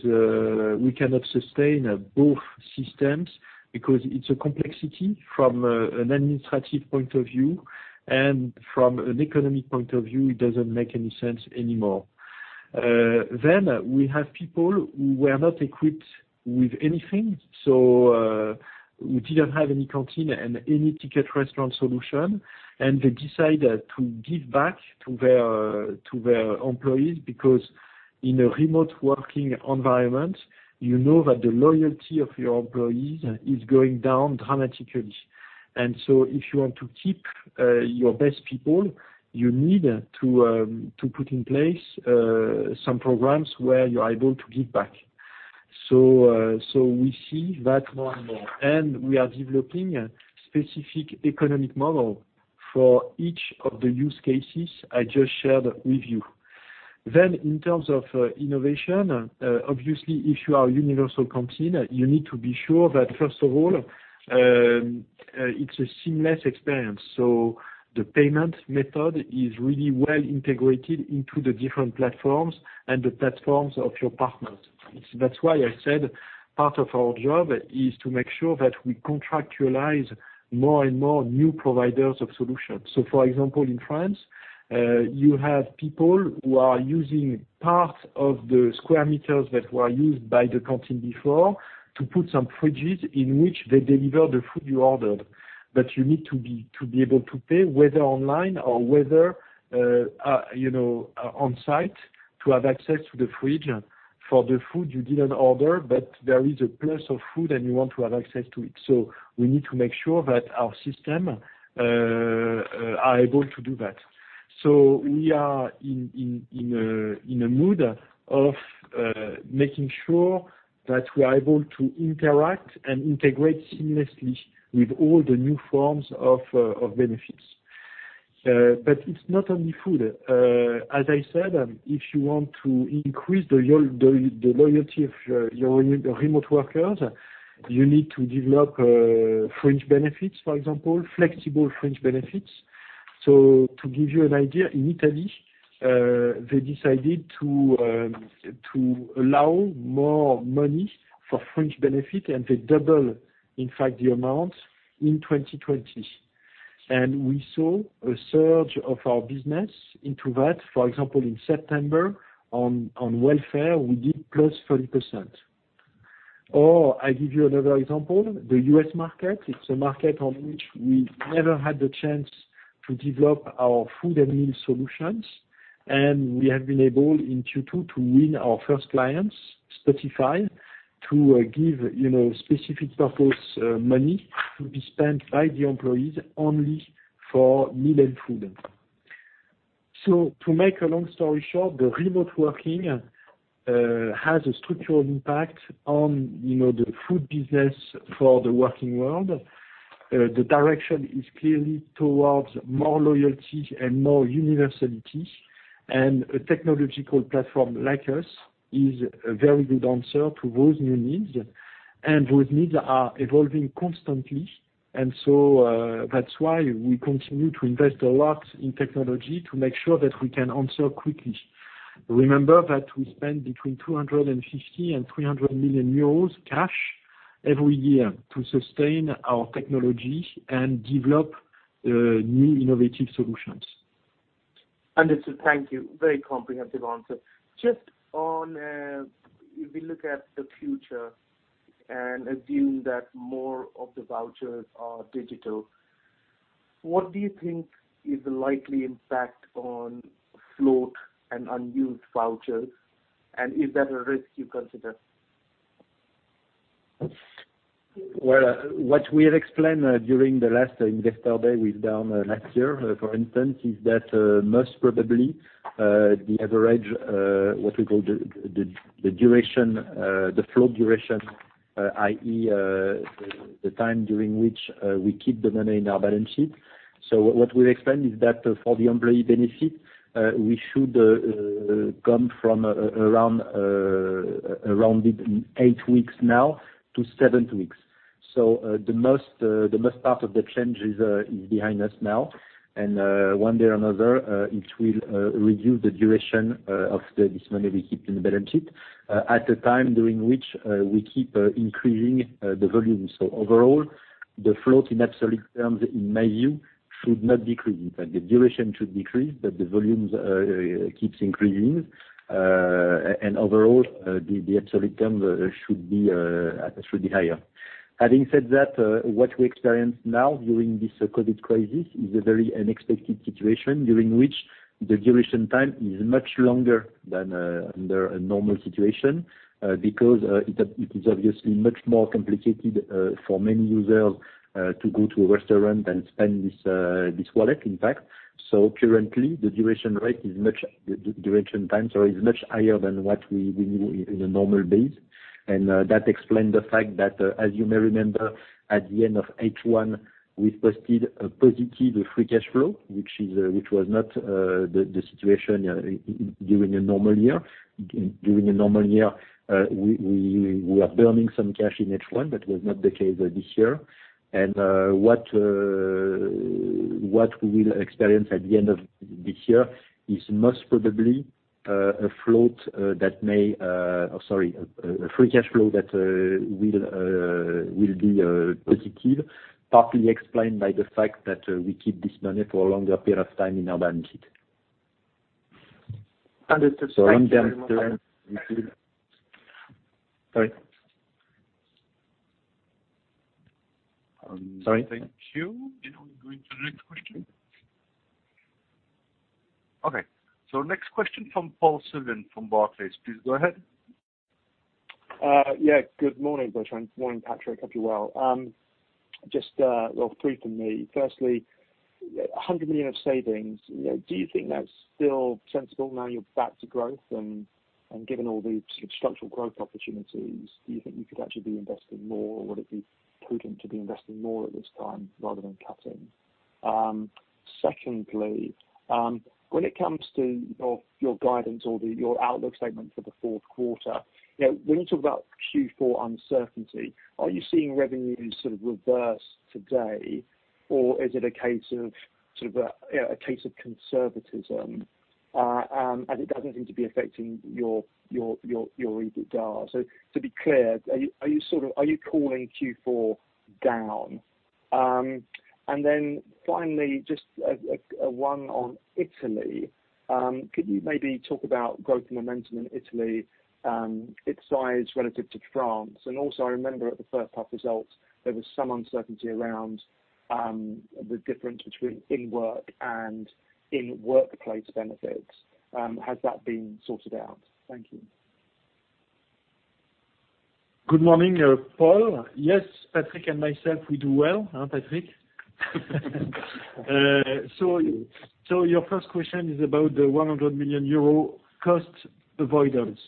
we cannot sustain both systems because it's a complexity from an administrative point of view, and from an economic point of view, it doesn't make any sense anymore." We have people who were not equipped with anything, so we didn't have any canteen and any Ticket Restaurant solution, and they decided to give back to their employees because in a remote working environment, you know that the loyalty of your employees is going down dramatically, and so if you want to keep your best people, you need to put in place some programs where you are able to give back. So we see that more and more. And we are developing a specific economic model for each of the use cases I just shared with you. Then in terms of innovation, obviously, if you are a universal canteen, you need to be sure that, first of all, it's a seamless experience. So the payment method is really well integrated into the different platforms and the platforms of your partners. That's why I said part of our job is to make sure that we contractualize more and more new providers of solutions. So for example, in France, you have people who are using part of the square meters that were used by the canteen before to put some fridges in which they deliver the food you ordered. But you need to be able to pay whether online or whether on site to have access to the fridge for the food you didn't order, but there is a place of food and you want to have access to it. So we need to make sure that our systems are able to do that. So we are in a mood of making sure that we are able to interact and integrate seamlessly with all the new forms of benefits. But it's not only food. As I said, if you want to increase the loyalty of your remote workers, you need to develop fringe benefits, for example, flexible fringe benefits. So to give you an idea, in Italy, they decided to allow more money for fringe benefits, and they doubled, in fact, the amount in 2020. And we saw a surge of our business into that. For example, in September, on welfare, we did +40%. Or I give you another example. The U.S. market, it's a market on which we never had the chance to develop our food and meal solutions. And we have been able in Q2 to win our first clients, Spotify, to give specific purpose money to be spent by the employees only for meal and food. So to make a long story short, the remote working has a structural impact on the food business for the working world. The direction is clearly towards more loyalty and more universality. And a technological platform like us is a very good answer to those new needs. And those needs are evolving constantly. And so that's why we continue to invest a lot in technology to make sure that we can answer quickly. Remember that we spend between 250 million and 300 million euros cash every year to sustain our technology and develop new innovative solutions. Understood. Thank you. Very comprehensive answer. Just if we look at the future and assume that more of the vouchers are digital, what do you think is the likely impact on float and unused vouchers? And is that a risk you consider? What we have explained during the last Investor Day with [inaudible] last year, for instance, is that most probably the average, what we call the float duration, i.e., the time during which we keep the money in our balance sheet. What we've explained is that for the employee benefit, we should come from around eight weeks now to seven weeks. The most part of the change is behind us now. One day or another, it will reduce the duration of this money we keep in the balance sheet at a time during which we keep increasing the volume. Overall, the float in absolute terms, in my view, should not decrease. In fact, the duration should decrease, but the volume keeps increasing. Overall, the absolute term should be higher. Having said that, what we experience now during this COVID crisis is a very unexpected situation during which the duration time is much longer than under a normal situation because it is obviously much more complicated for many users to go to a restaurant and spend this wallet, in fact. So currently, the duration time is much higher than what we knew in a normal base. And that explains the fact that, as you may remember, at the end of H1, we posted a positive free cash flow, which was not the situation during a normal year. During a normal year, we were burning some cash in H1, but it was not the case this year. What we will experience at the end of this year is most probably a float that may, sorry, a free cash flow that will be positive, partly explained by the fact that we keep this money for a longer period of time in our balance sheet. Understood. Thank you. So in the end, sorry. Sorry. Thank you. And we're going to the next question. Okay. So next question from Paul Sullivan from Barclays. Please go ahead. Yeah. Good morning, Bertrand. Good morning, Patrick. Hope you're well. Just real brief for me. Firstly, 100 million of savings. Do you think that's still sensible now you're back to growth? And given all the sort of structural growth opportunities, do you think you could actually be investing more, or would it be prudent to be investing more at this time rather than cutting? Secondly, when it comes to your guidance or your outlook statement for the fourth quarter, when you talk about Q4 uncertainty, are you seeing revenues sort of reverse today, or is it a case of conservatism as it doesn't seem to be affecting your EBITDA? So to be clear, are you calling Q4 down? And then finally, just one on Italy. Could you maybe talk about growth and momentum in Italy, its size relative to France? Also, I remember at the first half results, there was some uncertainty around the difference between in-work and in-workplace benefits. Has that been sorted out? Thank you. Good morning, Paul. Yes, Patrick and myself, we do well, Patrick. Your first question is about the 100 million euro cost avoidance.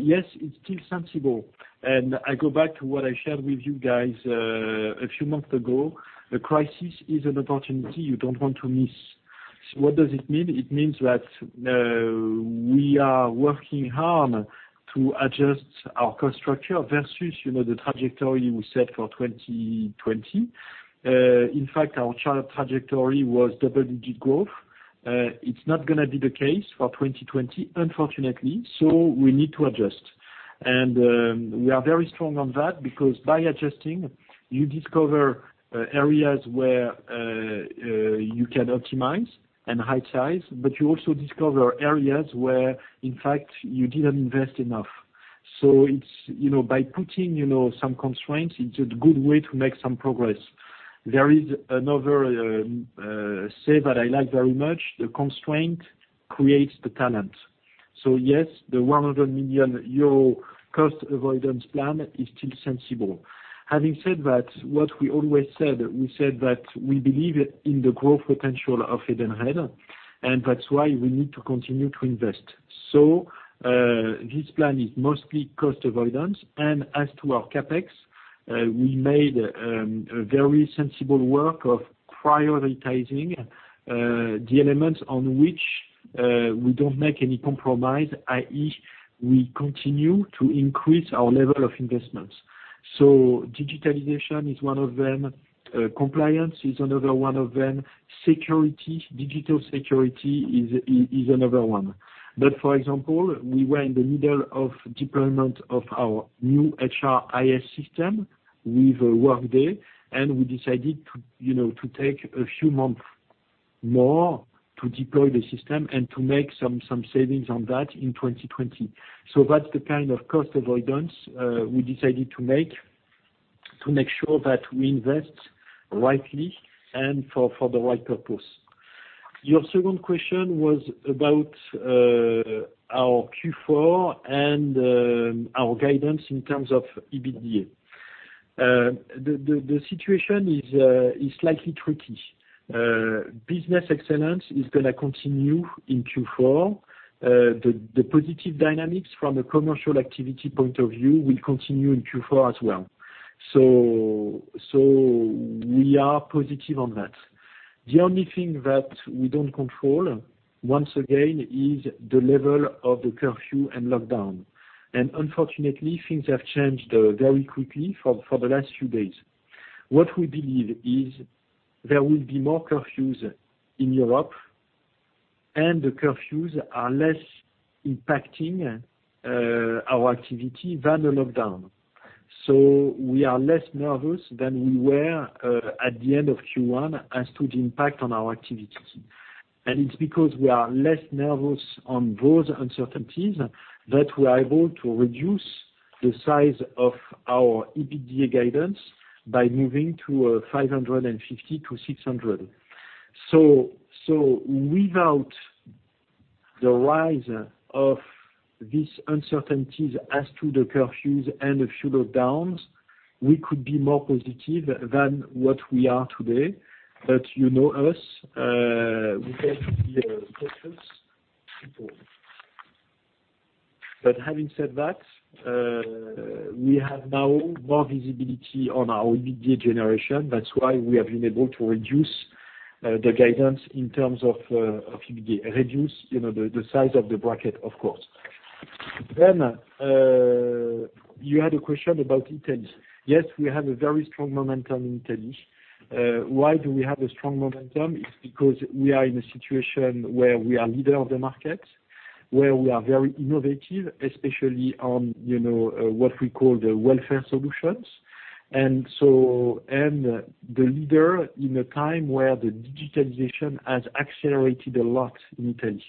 Yes, it's still sensible, and I go back to what I shared with you guys a few months ago. A crisis is an opportunity you don't want to miss. What does it mean? It means that we are working hard to adjust our cost structure versus the trajectory we set for 2020. In fact, our trajectory was double-digit growth. It's not going to be the case for 2020, unfortunately, so we need to adjust, and we are very strong on that because by adjusting, you discover areas where you can optimize and right-size, but you also discover areas where, in fact, you didn't invest enough, so by putting some constraints, it's a good way to make some progress. There is another saying that I like very much. The constraint creates the talent. So yes, the 100 million euro cost avoidance plan is still sensible. Having said that, what we always said, we said that we believe in the growth potential of Edenred, and that's why we need to continue to invest. So this plan is mostly cost avoidance. And as to our CapEx, we made very sensible work of prioritizing the elements on which we don't make any compromise, i.e., we continue to increase our level of investments. So digitalization is one of them. Compliance is another one of them. Security, digital security is another one. But for example, we were in the middle of deployment of our new HRIS system with Workday, and we decided to take a few months more to deploy the system and to make some savings on that in 2020. So that's the kind of cost avoidance we decided to make to make sure that we invest rightly and for the right purpose. Your second question was about our Q4 and our guidance in terms of EBITDA. The situation is slightly tricky. Business Excellence is going to continue in Q4. The positive dynamics from a commercial activity point of view will continue in Q4 as well. So we are positive on that. The only thing that we don't control, once again, is the level of the curfew and lockdown. And unfortunately, things have changed very quickly for the last few days. What we believe is there will be more curfews in Europe, and the curfews are less impacting our activity than a lockdown. So we are less nervous than we were at the end of Q1 as to the impact on our activity. It's because we are less nervous on those uncertainties that we are able to reduce the size of our EBITDA guidance by moving to 550-600. Without the rise of these uncertainties as to the curfews and a few lockdowns, we could be more positive than what we are today. You know us, we tend to be cautious. Having said that, we have now more visibility on our EBITDA generation. That's why we have been able to reduce the guidance in terms of EBITDA, reduce the size of the bracket, of course. You had a question about Italy. Yes, we have a very strong momentum in Italy. Why do we have a strong momentum? It's because we are in a situation where we are leader of the market, where we are very innovative, especially on what we call the welfare solutions. And the leader in a time where the digitalization has accelerated a lot in Italy.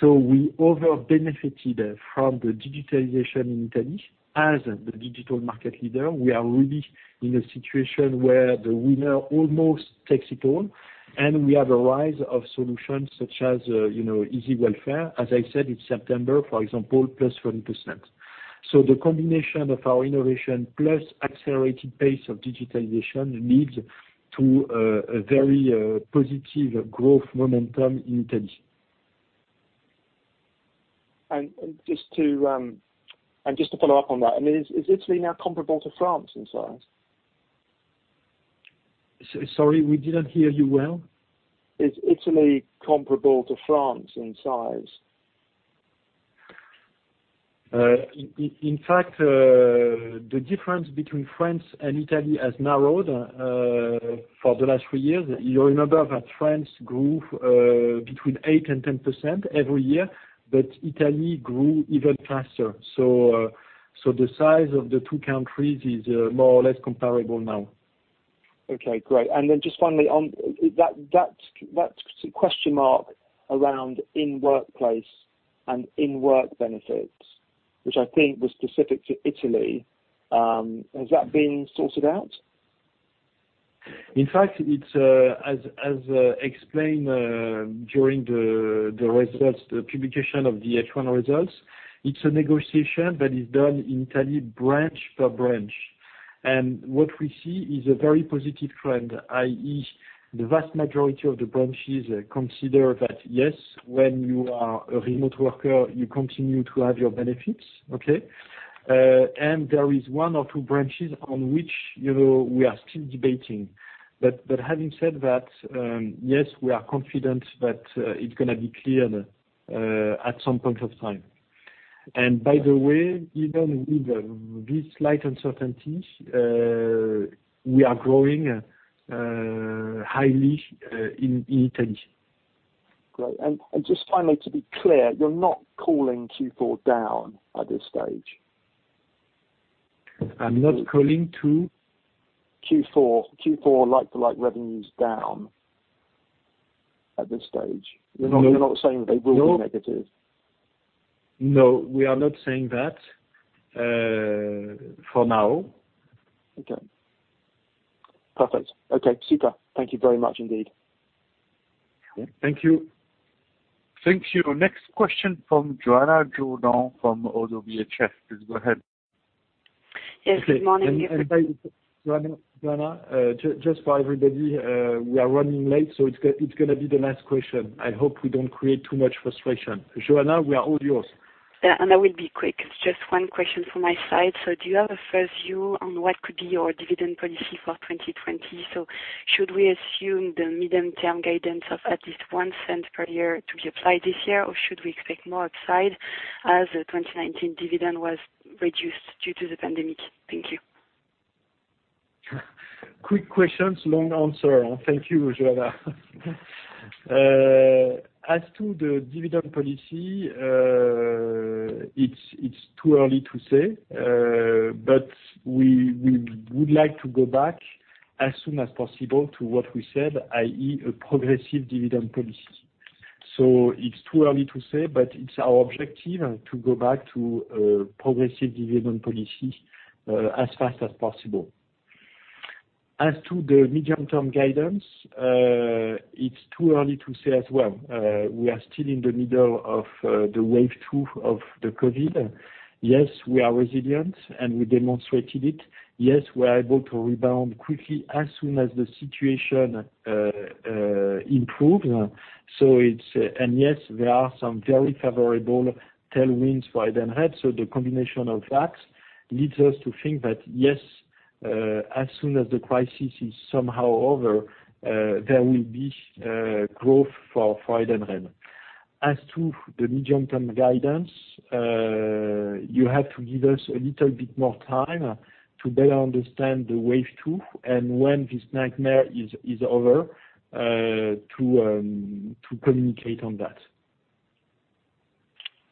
So we over-benefited from the digitalization in Italy. As the digital market leader, we are really in a situation where the winner almost takes it all, and we have a rise of solutions such as Easy Welfare. As I said, in September, for example, plus 40%. So the combination of our innovation plus accelerated pace of digitalization leads to a very positive growth momentum in Italy. Just to follow up on that, I mean, is Italy now comparable to France in size? Sorry, we didn't hear you well. Is Italy comparable to France in size? In fact, the difference between France and Italy has narrowed for the last three years. You remember that France grew between 8% and 10% every year, but Italy grew even faster. So the size of the two countries is more or less comparable now. Okay. Great. And then just finally, that question mark around in-workplace and in-work benefits, which I think was specific to Italy, has that been sorted out? In fact, as explained during the publication of the H1 results, it's a negotiation that is done in Italy branch per branch. And what we see is a very positive trend, i.e., the vast majority of the branches consider that, yes, when you are a remote worker, you continue to have your benefits, okay? And there is one or two branches on which we are still debating. But having said that, yes, we are confident that it's going to be cleared at some point of time. And by the way, even with this slight uncertainty, we are growing highly in Italy. Great. And just finally, to be clear, you're not calling Q4 down at this stage? I'm not calling to. Q4, Q4 like-for-like revenues down at this stage. You're not saying they will be negative? No, we are not saying that for now. Okay. Perfect. Okay. Super. Thank you very much indeed. Thank you. Thank you. Next question from Johanna Jourdain from ODDO BHF. Please go ahead. Yes. Good morning. Johanna, just for everybody, we are running late, so it's going to be the last question. I hope we don't create too much frustration. Johanna, we are all yours. Yeah. And I will be quick. Just one question from my side. So do you have a first view on what could be your dividend policy for 2020? So should we assume the medium-term guidance of at least EURO 0.01 per year to be applied this year, or should we expect more upside as the 2019 dividend was reduced due to the pandemic? Thank you. Quick questions, long answer. Thank you, Johanna. As to the dividend policy, it's too early to say, but we would like to go back as soon as possible to what we said, i.e., a progressive dividend policy. So it's too early to say, but it's our objective to go back to a progressive dividend policy as fast as possible. As to the medium-term guidance, it's too early to say as well. We are still in the middle of the wave two of the COVID. Yes, we are resilient, and we demonstrated it. Yes, we are able to rebound quickly as soon as the situation improves, and yes, there are some very favorable tailwinds for Edenred. So the combination of that leads us to think that, yes, as soon as the crisis is somehow over, there will be growth for Edenred. As to the medium-term guidance, you have to give us a little bit more time to better understand the wave two and when this nightmare is over to communicate on that.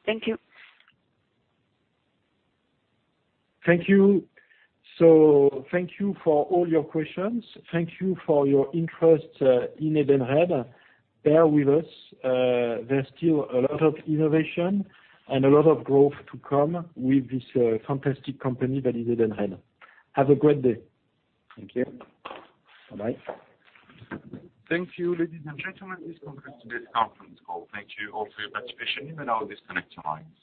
Thank you. Thank you. So thank you for all your questions. Thank you for your interest in Edenred. Bear with us. There's still a lot of innovation and a lot of growth to come with this fantastic company that is Edenred. Have a great day. Thank you. Bye-bye. Thank you, ladies and gentlemen. This concludes today's conference call. Thank you all for your participation. You may now disconnect your lines.